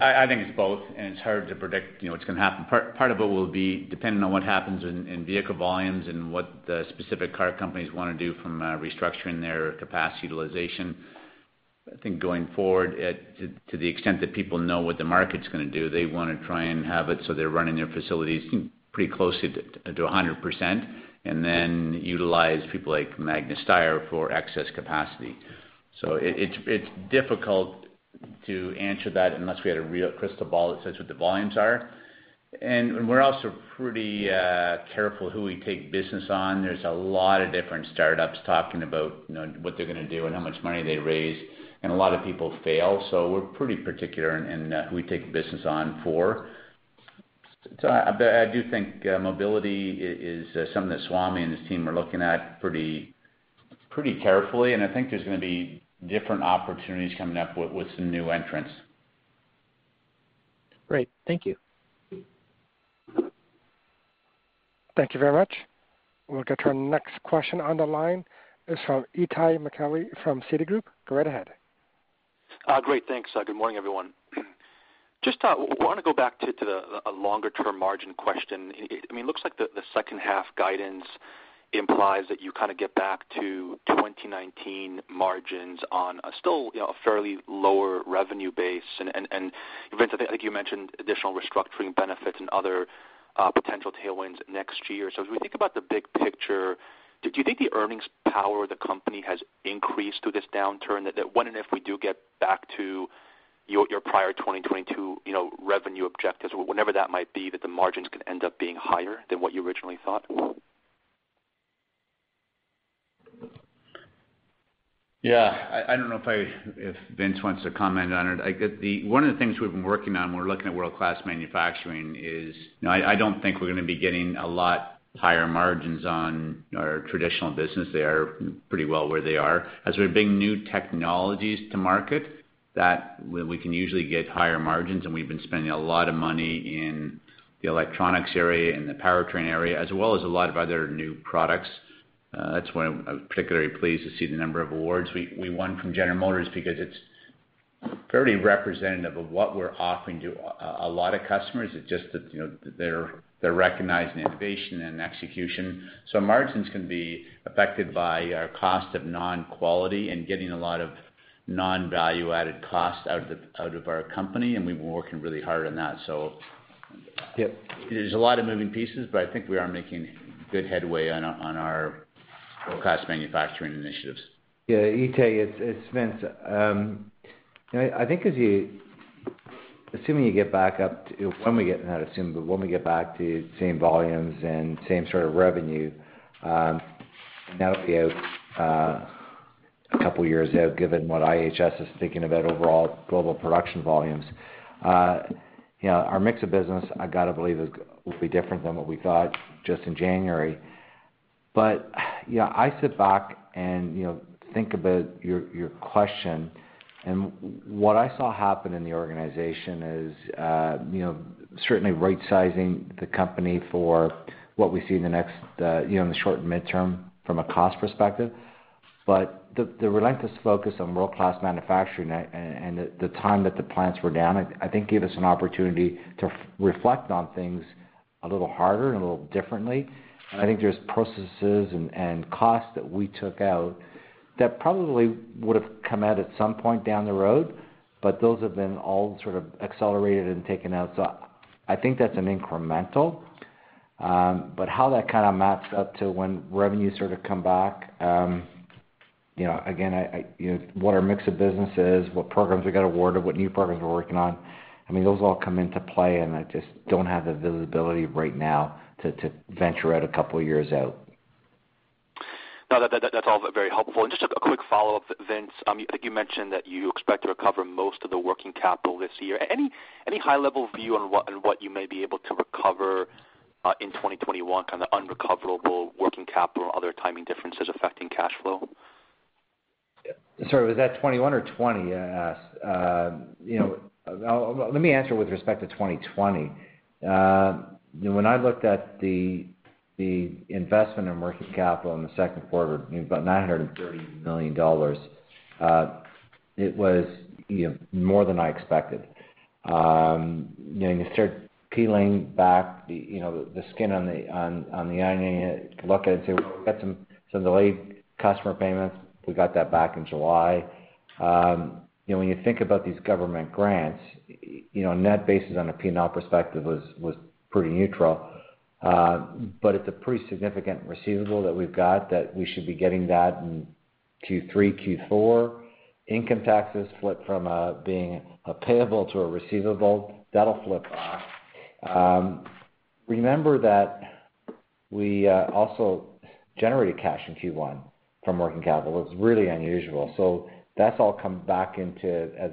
I think it's both, and it's hard to predict what's going to happen. Part of it will be dependent on what happens in vehicle volumes and what the specific car companies want to do from restructuring their capacity utilization. I think going forward, to the extent that people know what the market's going to do, they want to try and have it so they're running their facilities pretty close to 100% and then utilize people like Magna Steyr for excess capacity. It's difficult to answer that unless we had a real crystal ball that says what the volumes are. We're also pretty careful who we take business on. There's a lot of different startups talking about what they're going to do and how much money they raise, and a lot of people fail. We're pretty particular in who we take business on for. I do think mobility is something that Swamy and his team are looking at pretty carefully, and I think there's going to be different opportunities coming up with some new entrants. Great. Thank you. Thank you very much. We'll get to our next question on the line. It's from Itai Michaeli from Citigroup. Go right ahead. Great. Thanks. Good morning, everyone. Just want to go back to a longer-term margin question. I mean, it looks like the second-half guidance implies that you kind of get back to 2019 margins on still a fairly lower revenue base. I think you mentioned additional restructuring benefits and other potential tailwinds next year. As we think about the big picture, do you think the earnings power of the company has increased through this downturn? That when and if we do get back to your prior 2022 revenue objectives, whenever that might be, that the margins could end up being higher than what you originally thought? Yeah. I do not know if Vince wants to comment on it. One of the things we have been working on when we are looking at world-class manufacturing is I do not think we are going to be getting a lot higher margins on our traditional business. They are pretty well where they are. As we are bringing new technologies to market, we can usually get higher margins, and we have been spending a lot of money in the electronics area and the powertrain area, as well as a lot of other new products. That is why I was particularly pleased to see the number of awards we won from General Motors because it is fairly representative of what we are offering to a lot of customers. It is just that they are recognizing innovation and execution. Margins can be affected by our cost of non-quality and getting a lot of non-value-added cost out of our company, and we've been working really hard on that. There are a lot of moving pieces, but I think we are making good headway on our world-class manufacturing initiatives. Yeah. Itai, it's Vince. I think assuming you get back up to when we get, not assume, but when we get back to same volumes and same sort of revenue, and that'll be out a couple of years out, given what IHS is thinking about overall global production volumes, our mix of business, I got to believe, will be different than what we thought just in January. I sit back and think about your question, and what I saw happen in the organization is certainly right-sizing the company for what we see in the next short and midterm from a cost perspective. The relentless focus on world-class manufacturing and the time that the plants were down, I think, gave us an opportunity to reflect on things a little harder and a little differently. I think there are processes and costs that we took out that probably would have come out at some point down the road, but those have been all sort of accelerated and taken out. I think that is incremental. How that kind of maps up to when revenues sort of come back, again, what our mix of business is, what programs we got awarded, what new programs we are working on, I mean, those all come into play, and I just do not have the visibility right now to venture out a couple of years out. No, that's all very helpful. Just a quick follow-up, Vince. I think you mentioned that you expect to recover most of the working capital this year. Any high-level view on what you may be able to recover in 2021, kind of unrecoverable working capital or other timing differences affecting cash flow? Sorry, was that 2021 or 2020 I asked? Let me answer with respect to 2020. When I looked at the investment in working capital in the second quarter, about $930 million, it was more than I expected. You start peeling back the skin on the onion, look at it and say, "Well, we got some delayed customer payments. We got that back in July." When you think about these government grants, net basis on a P&L perspective was pretty neutral. It is a pretty significant receivable that we have that we should be getting in Q3, Q4. Income taxes flip from being a payable to a receivable. That will flip back. Remember that we also generated cash in Q1 from working capital. It is really unusual. That has all come back into as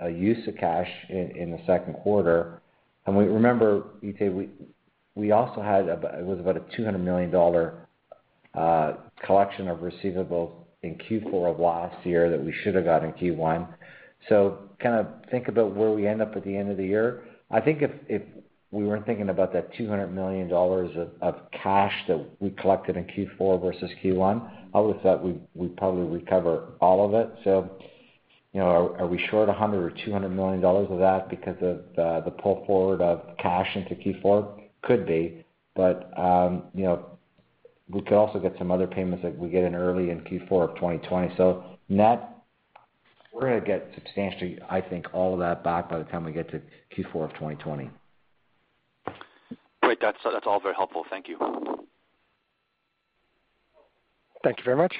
a use of cash in the second quarter. Remember, Itai, we also had it was about a $200 million collection of receivables in Q4 of last year that we should have gotten in Q1. Kind of think about where we end up at the end of the year. I think if we were not thinking about that $200 million of cash that we collected in Q4 versus Q1, I would have thought we probably recover all of it. Are we short $100 million or $200 million of that because of the pull forward of cash into Q4? Could be. We could also get some other payments that we get in early in Q4 of 2020. Net, we are going to get substantially, I think, all of that back by the time we get to Q4 of 2020. Great. That's all very helpful. Thank you. Thank you very much.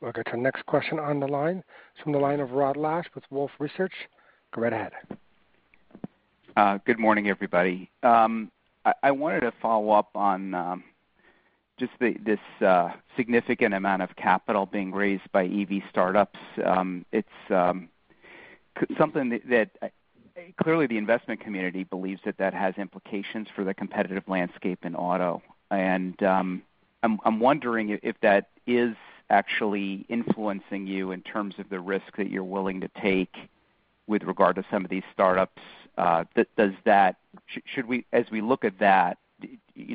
We'll go to the next question on the line from the line of Rod Lache with Wolfe Research. Go right ahead. Good morning, everybody. I wanted to follow up on just this significant amount of capital being raised by EV startups. It's something that clearly the investment community believes that has implications for the competitive landscape in auto. I am wondering if that is actually influencing you in terms of the risk that you're willing to take with regard to some of these startups. Should we look at that,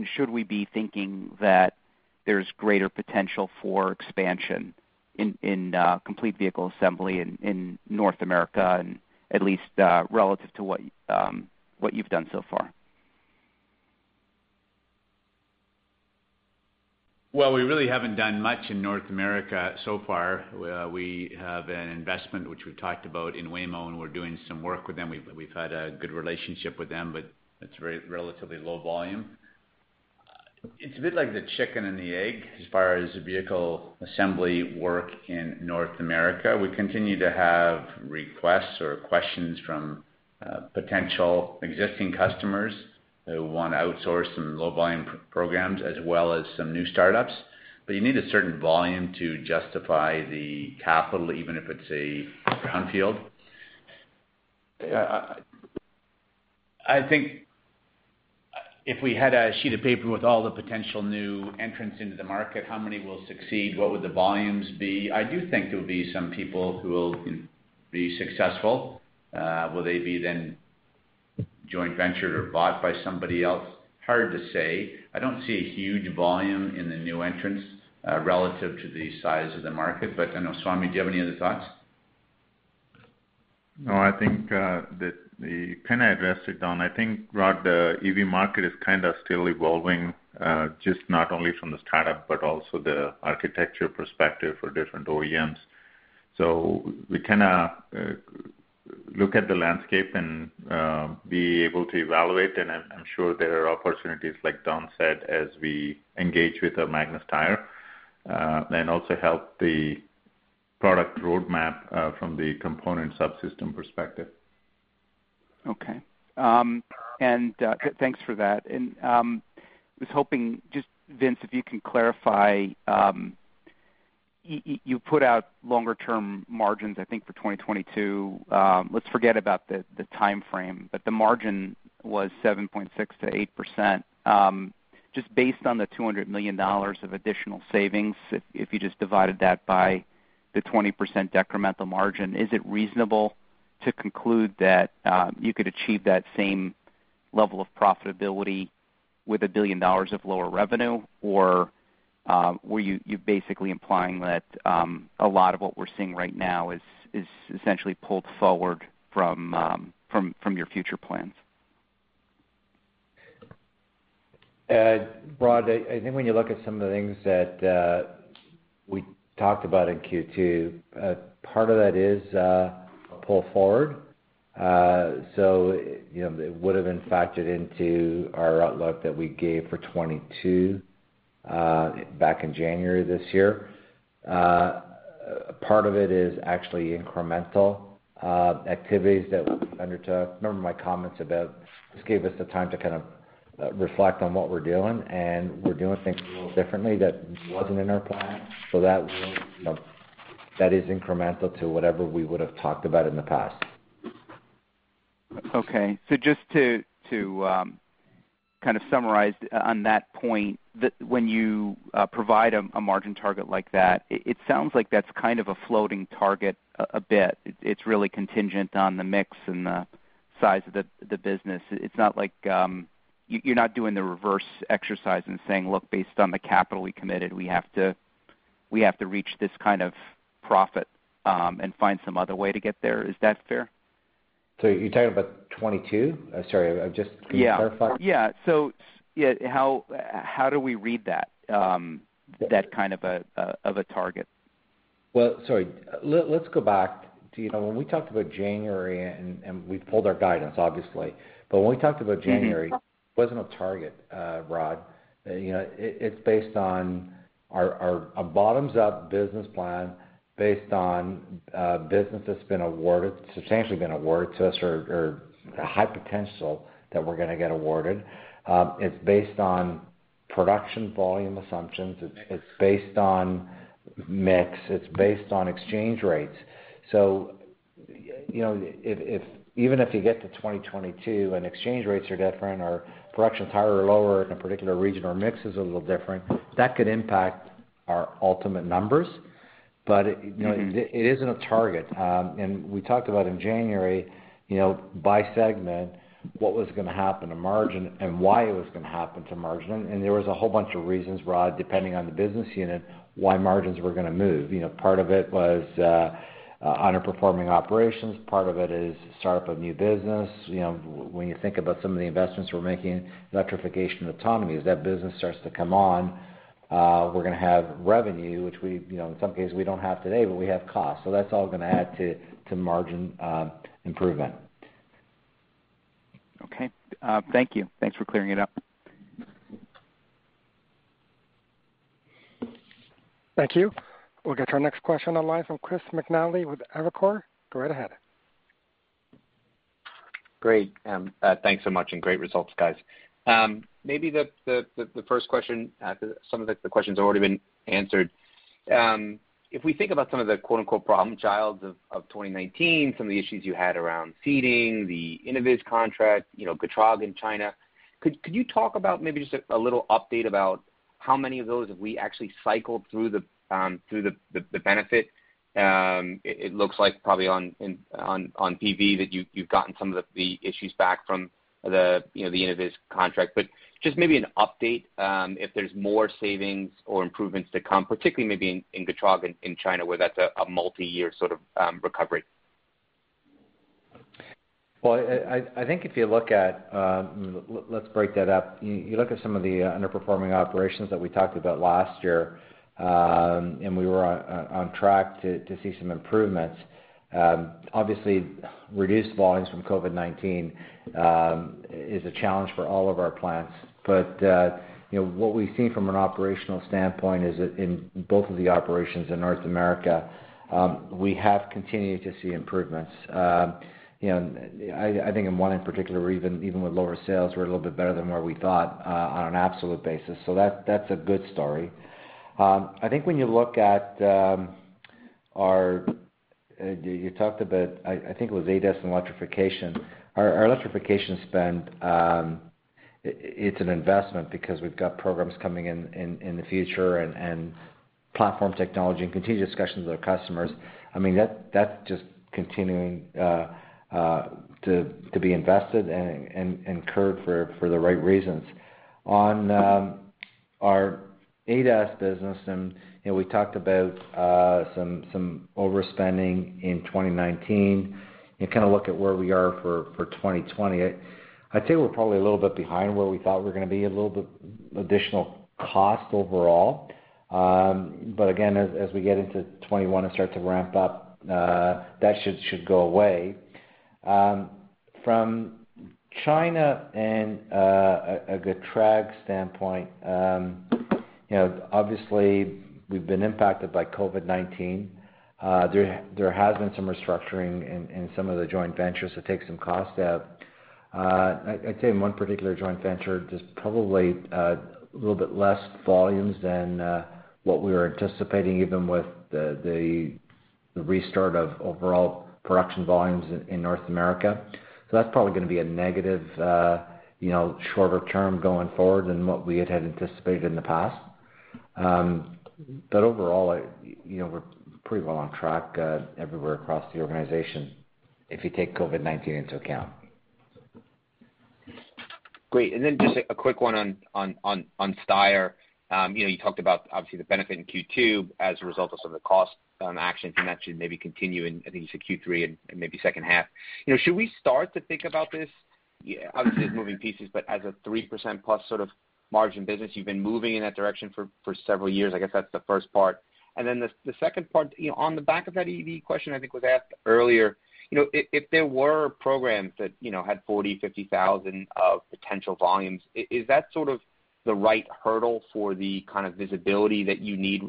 should we be thinking that there's greater potential for expansion in complete vehicle assembly in North America, at least relative to what you've done so far? We really haven't done much in North America so far. We have an investment, which we've talked about, in Waymo, and we're doing some work with them. We've had a good relationship with them, but it's relatively low volume. It's a bit like the chicken and the egg as far as vehicle assembly work in North America. We continue to have requests or questions from potential existing customers who want to outsource some low-volume programs as well as some new startups. You need a certain volume to justify the capital, even if it's a brownfield. I think if we had a sheet of paper with all the potential new entrants into the market, how many will succeed? What would the volumes be? I do think there will be some people who will be successful. Will they be then joint ventured or bought by somebody else? Hard to say. I don't see a huge volume in the new entrants relative to the size of the market. I know, Swamy, do you have any other thoughts? No, I think that kind of addressed it, Don. I think, Rod, the EV market is kind of still evolving, just not only from the startup, but also the architecture perspective for different OEMs. We kind of look at the landscape and be able to evaluate. I am sure there are opportunities, like Don said, as we engage with Magna Steyr, and also help the product roadmap from the component subsystem perspective. Okay. Thanks for that. I was hoping, just Vince, if you can clarify, you put out longer-term margins, I think, for 2022. Let's forget about the time frame, but the margin was 7.6%-8%. Just based on the $200 million of additional savings, if you just divided that by the 20% decremental margin, is it reasonable to conclude that you could achieve that same level of profitability with $1 billion of lower revenue, or were you basically implying that a lot of what we're seeing right now is essentially pulled forward from your future plans? Rod, I think when you look at some of the things that we talked about in Q2, part of that is a pull forward. It would have been factored into our outlook that we gave for 2022 back in January this year. Part of it is actually incremental activities that we undertook. Remember my comments about this gave us the time to kind of reflect on what we're doing, and we're doing things a little differently that wasn't in our plan. That is incremental to whatever we would have talked about in the past. Okay. Just to kind of summarize on that point, when you provide a margin target like that, it sounds like that's kind of a floating target a bit. It's really contingent on the mix and the size of the business. It's not like you're not doing the reverse exercise and saying, "Look, based on the capital we committed, we have to reach this kind of profit and find some other way to get there." Is that fair? You're talking about 2022? Sorry, I'm just going to clarify. Yeah. Yeah. How do we read that, that kind of a target? Sorry. Let's go back. When we talked about January, and we pulled our guidance, obviously, but when we talked about January, it was not a target, Rod. It is based on a bottoms-up business plan based on business that has been awarded, substantially been awarded to us, or a high potential that we are going to get awarded. It is based on production volume assumptions. It is based on mix. It is based on exchange rates. Even if you get to 2022 and exchange rates are different or production is higher or lower in a particular region or mix is a little different, that could impact our ultimate numbers. It is not a target. We talked about in January, by segment, what was going to happen to margin and why it was going to happen to margin. There was a whole bunch of reasons, Rod, depending on the business unit, why margins were going to move. Part of it was underperforming operations. Part of it is startup of new business. When you think about some of the investments we're making, electrification and autonomy, as that business starts to come on, we're going to have revenue, which in some cases we don't have today, but we have costs. That is all going to add to margin improvement. Okay. Thank you. Thanks for clearing it up. Thank you. We'll get to our next question online. I'm Chris McNally with Evercore. Go right ahead. Great. Thanks so much and great results, guys. Maybe the first question, some of the questions have already been answered. If we think about some of the "problem child" of 2019, some of the issues you had around seating, the Innoviz contract, GETRAG in China, could you talk about maybe just a little update about how many of those have we actually cycled through the benefit? It looks like probably on PV that you've gotten some of the issues back from the Innoviz contract. Just maybe an update if there's more savings or improvements to come, particularly maybe in GETRAG in China where that's a multi-year sort of recovery. I think if you look at let's break that up. You look at some of the underperforming operations that we talked about last year, and we were on track to see some improvements. Obviously, reduced volumes from COVID-19 is a challenge for all of our plants. What we've seen from an operational standpoint is that in both of the operations in North America, we have continued to see improvements. I think in one in particular, even with lower sales, we're a little bit better than where we thought on an absolute basis. That's a good story. I think when you look at our you talked about, I think it was ADAS and electrification. Our electrification spend, it's an investment because we've got programs coming in the future and platform technology and continued discussions with our customers. I mean, that's just continuing to be invested and incurred for the right reasons. On our ADAS business, and we talked about some overspending in 2019, and kind of look at where we are for 2020. I'd say we're probably a little bit behind where we thought we were going to be, a little bit additional cost overall. Again, as we get into 2021 and start to ramp up, that should go away. From China and a GETRAG standpoint, obviously, we've been impacted by COVID-19. There has been some restructuring in some of the joint ventures. It takes some costs out. I'd say in one particular joint venture, just probably a little bit less volumes than what we were anticipating, even with the restart of overall production volumes in North America. That is probably going to be a negative shorter term going forward than what we had anticipated in the past. Overall, we are pretty well on track everywhere across the organization if you take COVID-19 into account. Great. Just a quick one on Steyr. You talked about, obviously, the benefit in Q2 as a result of some of the cost actions and that should maybe continue in, I think you said, Q3 and maybe second half. Should we start to think about this? Obviously, there's moving pieces, but as a 3%+ sort of margin business, you've been moving in that direction for several years. I guess that's the first part. The second part, on the back of that EV question, I think was asked earlier, if there were programs that had 40,000-50,000 of potential volumes, is that sort of the right hurdle for the kind of visibility that you need?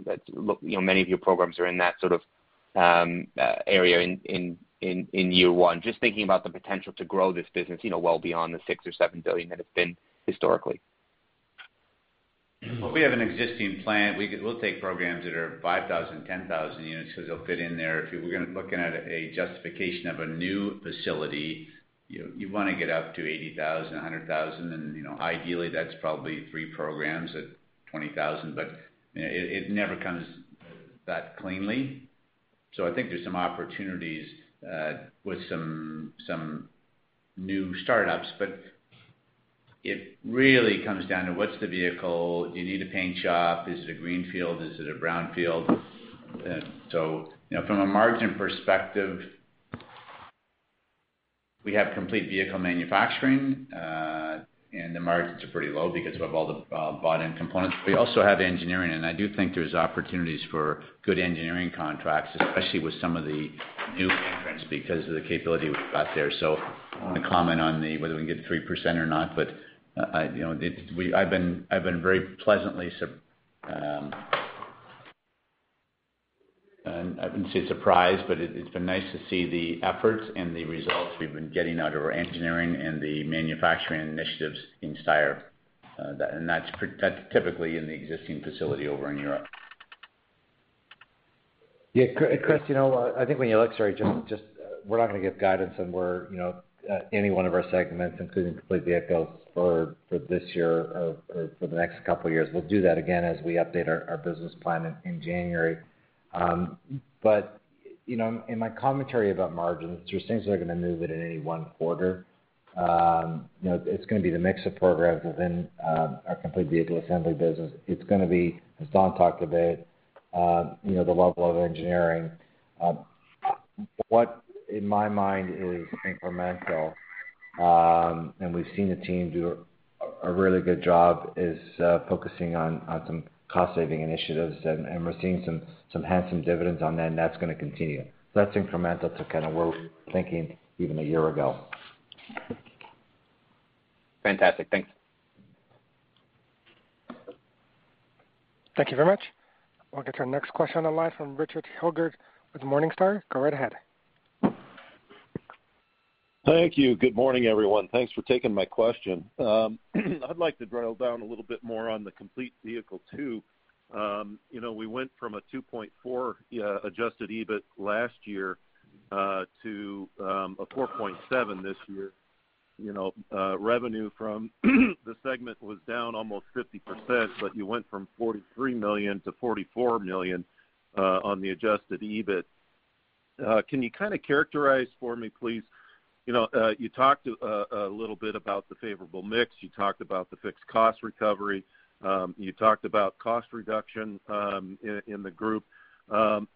Many of your programs are in that sort of area in year one. Just thinking about the potential to grow this business well beyond the $6 billion or $7 billion that it's been historically. We have an existing plant. We'll take programs that are 5,000-10,000 units because they'll fit in there. If we're looking at a justification of a new facility, you want to get up to 80,000-100,000. Ideally, that's probably three programs at 20,000, but it never comes that cleanly. I think there's some opportunities with some new startups, but it really comes down to what's the vehicle? Do you need a paint shop? Is it a greenfield? Is it a brownfield? From a margin perspective, we have complete vehicle manufacturing, and the margins are pretty low because we have all the bought-in components. We also have engineering, and I do think there's opportunities for good engineering contracts, especially with some of the new entrants because of the capability we've got there. I want to comment on whether we can get 3% or not, but I've been very pleasantly—I wouldn't say surprised—but it's been nice to see the efforts and the results we've been getting out of our engineering and the manufacturing initiatives in Steyr. And that's typically in the existing facility over in Europe. Yeah. Chris, I think when you look—sorry, we're not going to give guidance on any one of our segments, including complete vehicles for this year or for the next couple of years. We'll do that again as we update our business plan in January. In my commentary about margins, there are things that are going to move it in any one quarter. It's going to be the mix of programs within our complete vehicle assembly business. It's going to be, as Don talked about, the level of engineering. What, in my mind, is incremental, and we've seen the team do a really good job, is focusing on some cost-saving initiatives, and we're seeing some handsome dividends on that, and that's going to continue. That's incremental to kind of where we were thinking even a year ago. Fantastic. Thanks. Thank you very much. We'll get to our next question online from Richard Hilgert with Morningstar. Go right ahead. Thank you. Good morning, everyone. Thanks for taking my question. I'd like to drill down a little bit more on the complete vehicle too. We went from a 2.4 adjusted EBIT last year to a 4.7 this year. Revenue from the segment was down almost 50%, but you went from 43 million to 44 million on the adjusted EBIT. Can you kind of characterize for me, please? You talked a little bit about the favorable mix. You talked about the fixed cost recovery. You talked about cost reduction in the group. That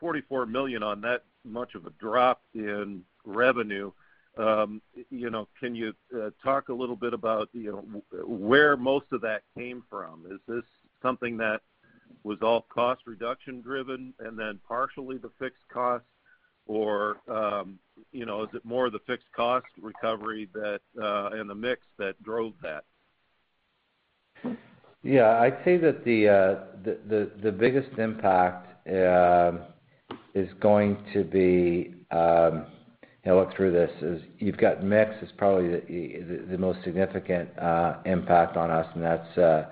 44 million on that much of a drop in revenue, can you talk a little bit about where most of that came from? Is this something that was all cost reduction driven and then partially the fixed cost, or is it more the fixed cost recovery and the mix that drove that? Yeah. I'd say that the biggest impact is going to be—look through this—is you've got mix is probably the most significant impact on us, and that's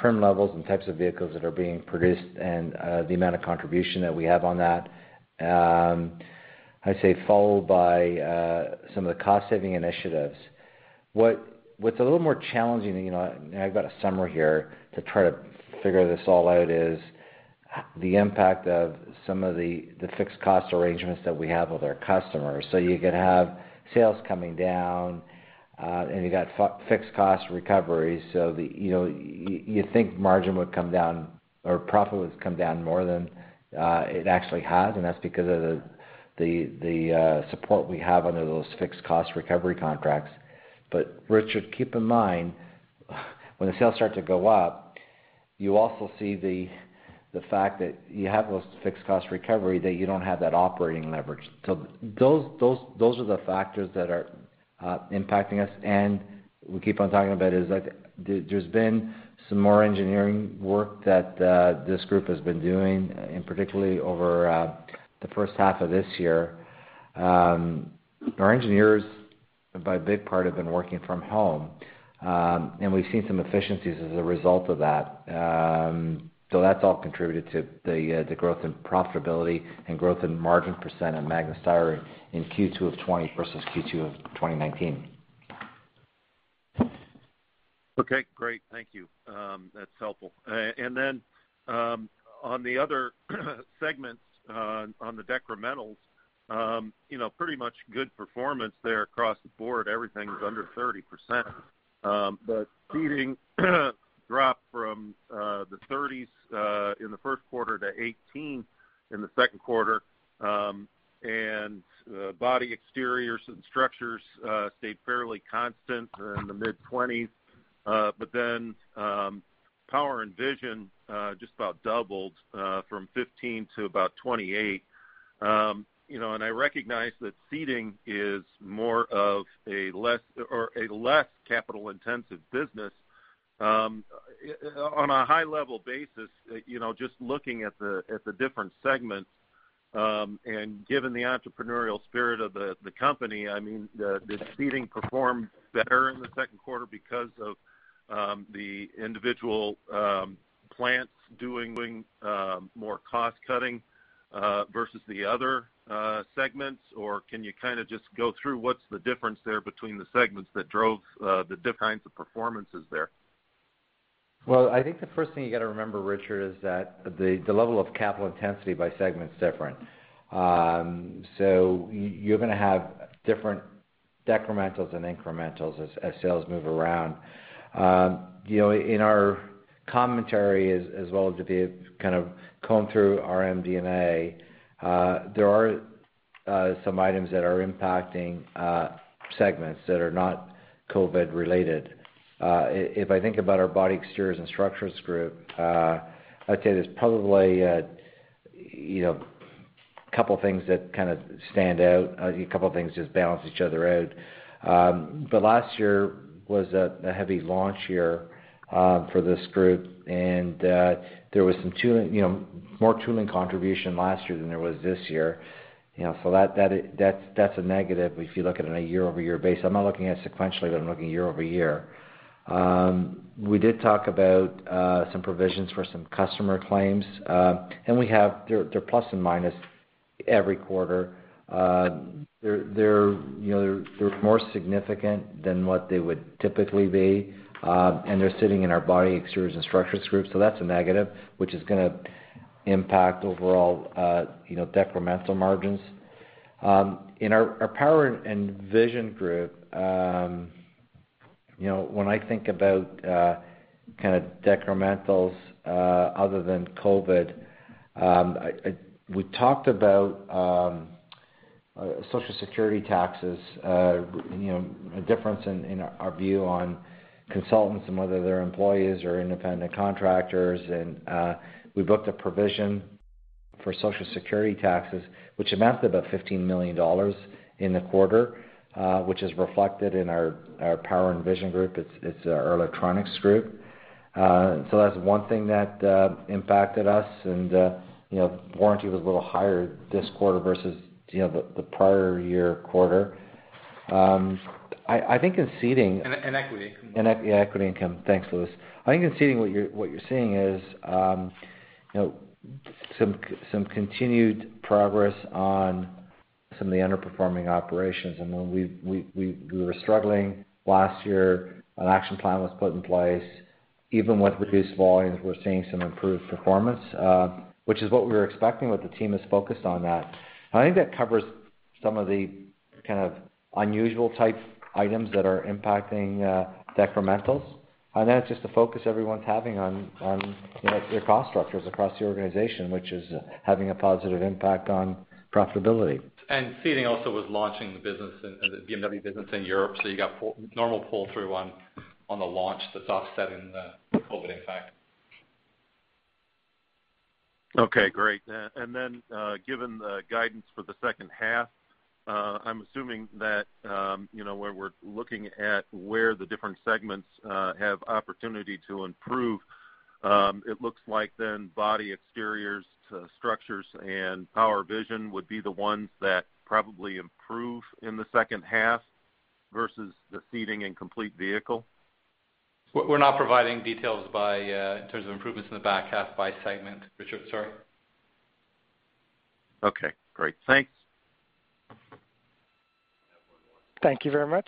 trim levels and types of vehicles that are being produced and the amount of contribution that we have on that, I'd say, followed by some of the cost-saving initiatives. What's a little more challenging—and I've got a summary here to try to figure this all out—is the impact of some of the fixed cost arrangements that we have with our customers. You could have sales coming down, and you've got fixed cost recoveries. You'd think margin would come down or profit would come down more than it actually has, and that's because of the support we have under those fixed cost recovery contracts. Richard, keep in mind, when the sales start to go up, you also see the fact that you have those fixed cost recovery that you do not have that operating leverage. Those are the factors that are impacting us. We keep on talking about it is that there has been some more engineering work that this group has been doing, and particularly over the first half of this year. Our engineers, by a big part, have been working from home, and we have seen some efficiencies as a result of that. That has all contributed to the growth in profitability and growth in margin percent at Magna Steyr in Q2 of 2020 versus Q2 of 2019. Okay. Great. Thank you. That's helpful. Then on the other segments, on the decrementals, pretty much good performance there across the board. Everything's under 30%. The seating dropped from the 30s in the first quarter to 18 in the second quarter. Body exteriors and structures stayed fairly constant in the mid-20s. Power and vision just about doubled from 15 to about 28. I recognize that seating is more of a less capital-intensive business. On a high-level basis, just looking at the different segments and given the entrepreneurial spirit of the company, I mean, the seating performed better in the second quarter because of the individual plants doing more cost-cutting versus the other segments. Can you kind of just go through what's the difference there between the segments that drove the different kinds of performances there? I think the first thing you got to remember, Richard, is that the level of capital intensity by segment is different. You are going to have different decrementals and incrementals as sales move around. In our commentary, as well as if you kind of comb through our MD&A, there are some items that are impacting segments that are not COVID-related. If I think about our body exteriors and structures group, I would say there are probably a couple of things that kind of stand out. A couple of things just balance each other out. Last year was a heavy launch year for this group, and there was some more tooling contribution last year than there was this year. That is a negative if you look at it on a year-over-year basis. I am not looking at it sequentially, but I am looking year-over-year. We did talk about some provisions for some customer claims, and they're plus and minus every quarter. They're more significant than what they would typically be, and they're sitting in our body exteriors and structures group. So that's a negative, which is going to impact overall decremental margins. In our power and vision group, when I think about kind of decrementals other than COVID, we talked about Social Security taxes, a difference in our view on consultants and whether they're employees or independent contractors. And we booked a provision for Social Security taxes, which amounted to about $15 million in the quarter, which is reflected in our power and vision group. It's our electronics group. So that's one thing that impacted us, and warranty was a little higher this quarter versus the prior year quarter. I think in seating. And equity. And equity income. Thanks, Louis. I think in seating, what you're seeing is some continued progress on some of the underperforming operations. And when we were struggling last year, an action plan was put in place. Even with reduced volumes, we're seeing some improved performance, which is what we were expecting with the team as focused on that. And I think that covers some of the kind of unusual type items that are impacting decrementals. And that's just the focus everyone's having on their cost structures across the organization, which is having a positive impact on profitability. And seating also was launching the business, the BMW business in Europe. So you got normal pull-through on the launch that's offsetting the COVID impact. Okay. Great. And then given the guidance for the second half, I'm assuming that where we're looking at where the different segments have opportunity to improve, it looks like then body exteriors, structures, and power vision would be the ones that probably improve in the second half versus the seating and complete vehicle. We're not providing details in terms of improvements in the back half by segment, Richard. Sorry. Okay. Great. Thanks. Thank you very much.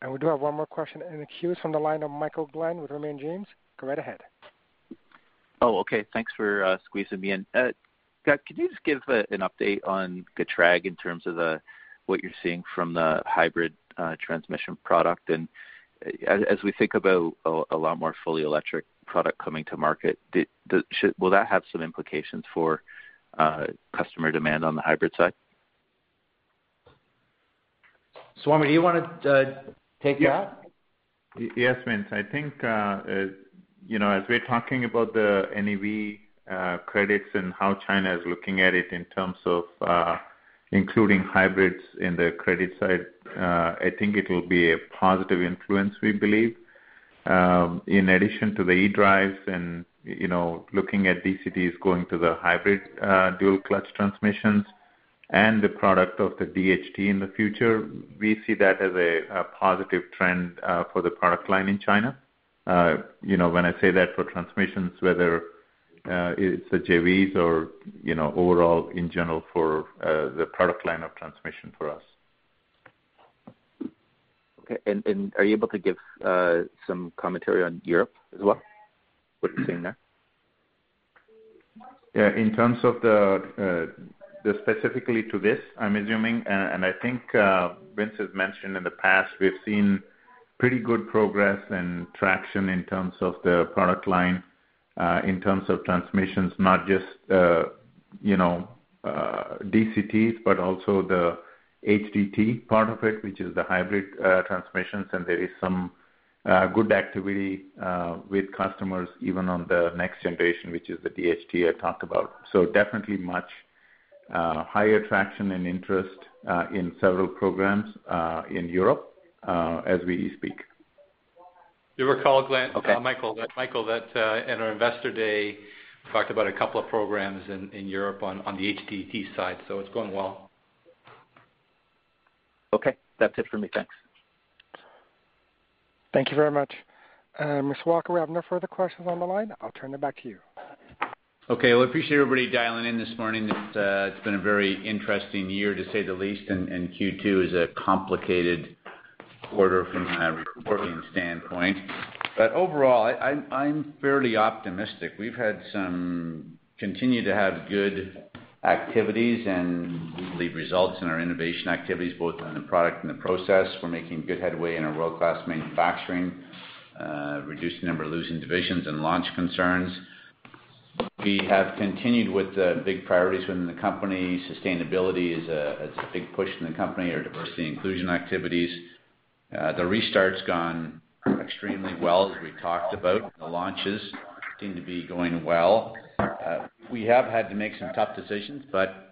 And we do have one more question in the queue from the line of Michael Glen with Raymond James. Go right ahead. Oh, okay. Thanks for squeezing me in. Can you just give an update on GETRAG in terms of what you're seeing from the hybrid transmission product? And as we think about a lot more fully electric product coming to market, will that have some implications for customer demand on the hybrid side? Swami, do you want to take that? Yes, Vince. I think as we're talking about the NEV credits and how China is looking at it in terms of including hybrids in the credit side, I think it will be a positive influence, we believe. In addition to the eDrives and looking at DCTs going to the hybrid dual-clutch transmissions and the product of the DHT in the future, we see that as a positive trend for the product line in China. When I say that for transmissions, whether it's the JVs or overall in general for the product line of transmission for us. Okay. Are you able to give some commentary on Europe as well? What are you seeing there? Yeah. In terms of the specifically to this, I'm assuming. And I think, Vince, as mentioned in the past, we've seen pretty good progress and traction in terms of the product line in terms of transmissions, not just DCTs, but also the HDT part of it, which is the hybrid transmissions. And there is some good activity with customers even on the next generation, which is the DHT I talked about. So definitely much higher traction and interest in several programs in Europe as we speak. Do you recall, Michael, that at our Investor Day, we talked about a couple of programs in Europe on the HDT side. So it's going well. Okay. That's it for me. Thanks. Thank you very much. Mr. Walker, we have no further questions on the line. I'll turn it back to you. Okay. Well, appreciate everybody dialing in this morning. It's been a very interesting year, to say the least, and Q2 is a complicated quarter from a reporting standpoint. But overall, I'm fairly optimistic. We've continued to have good activities and lead results in our innovation activities, both in the product and the process. We're making good headway in our world-class manufacturing, reducing number of losing divisions and launch concerns. We have continued with the big priorities within the company. Sustainability is a big push in the company. Our diversity and inclusion activities, the restart's gone extremely well, as we talked about. The launches seem to be going well. We have had to make some tough decisions, but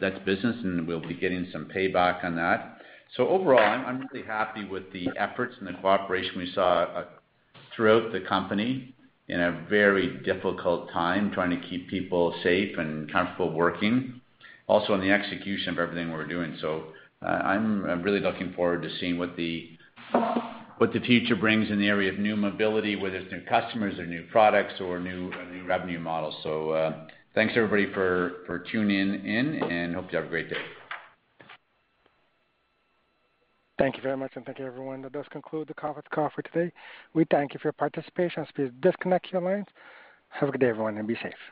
that's business, and we'll be getting some payback on that. So overall, I'm really happy with the efforts and the cooperation we saw throughout the company in a very difficult time trying to keep people safe and comfortable working, also in the execution of everything we're doing. So I'm really looking forward to seeing what the future brings in the area of new mobility, whether it's new customers or new products or new revenue models. So thanks, everybody, for tuning in, and hope you have a great day. Thank you very much, and thank you, everyone. That does conclude the conference call for today. We thank you for your participation. Please disconnect your lines. Have a good day, everyone, and be safe.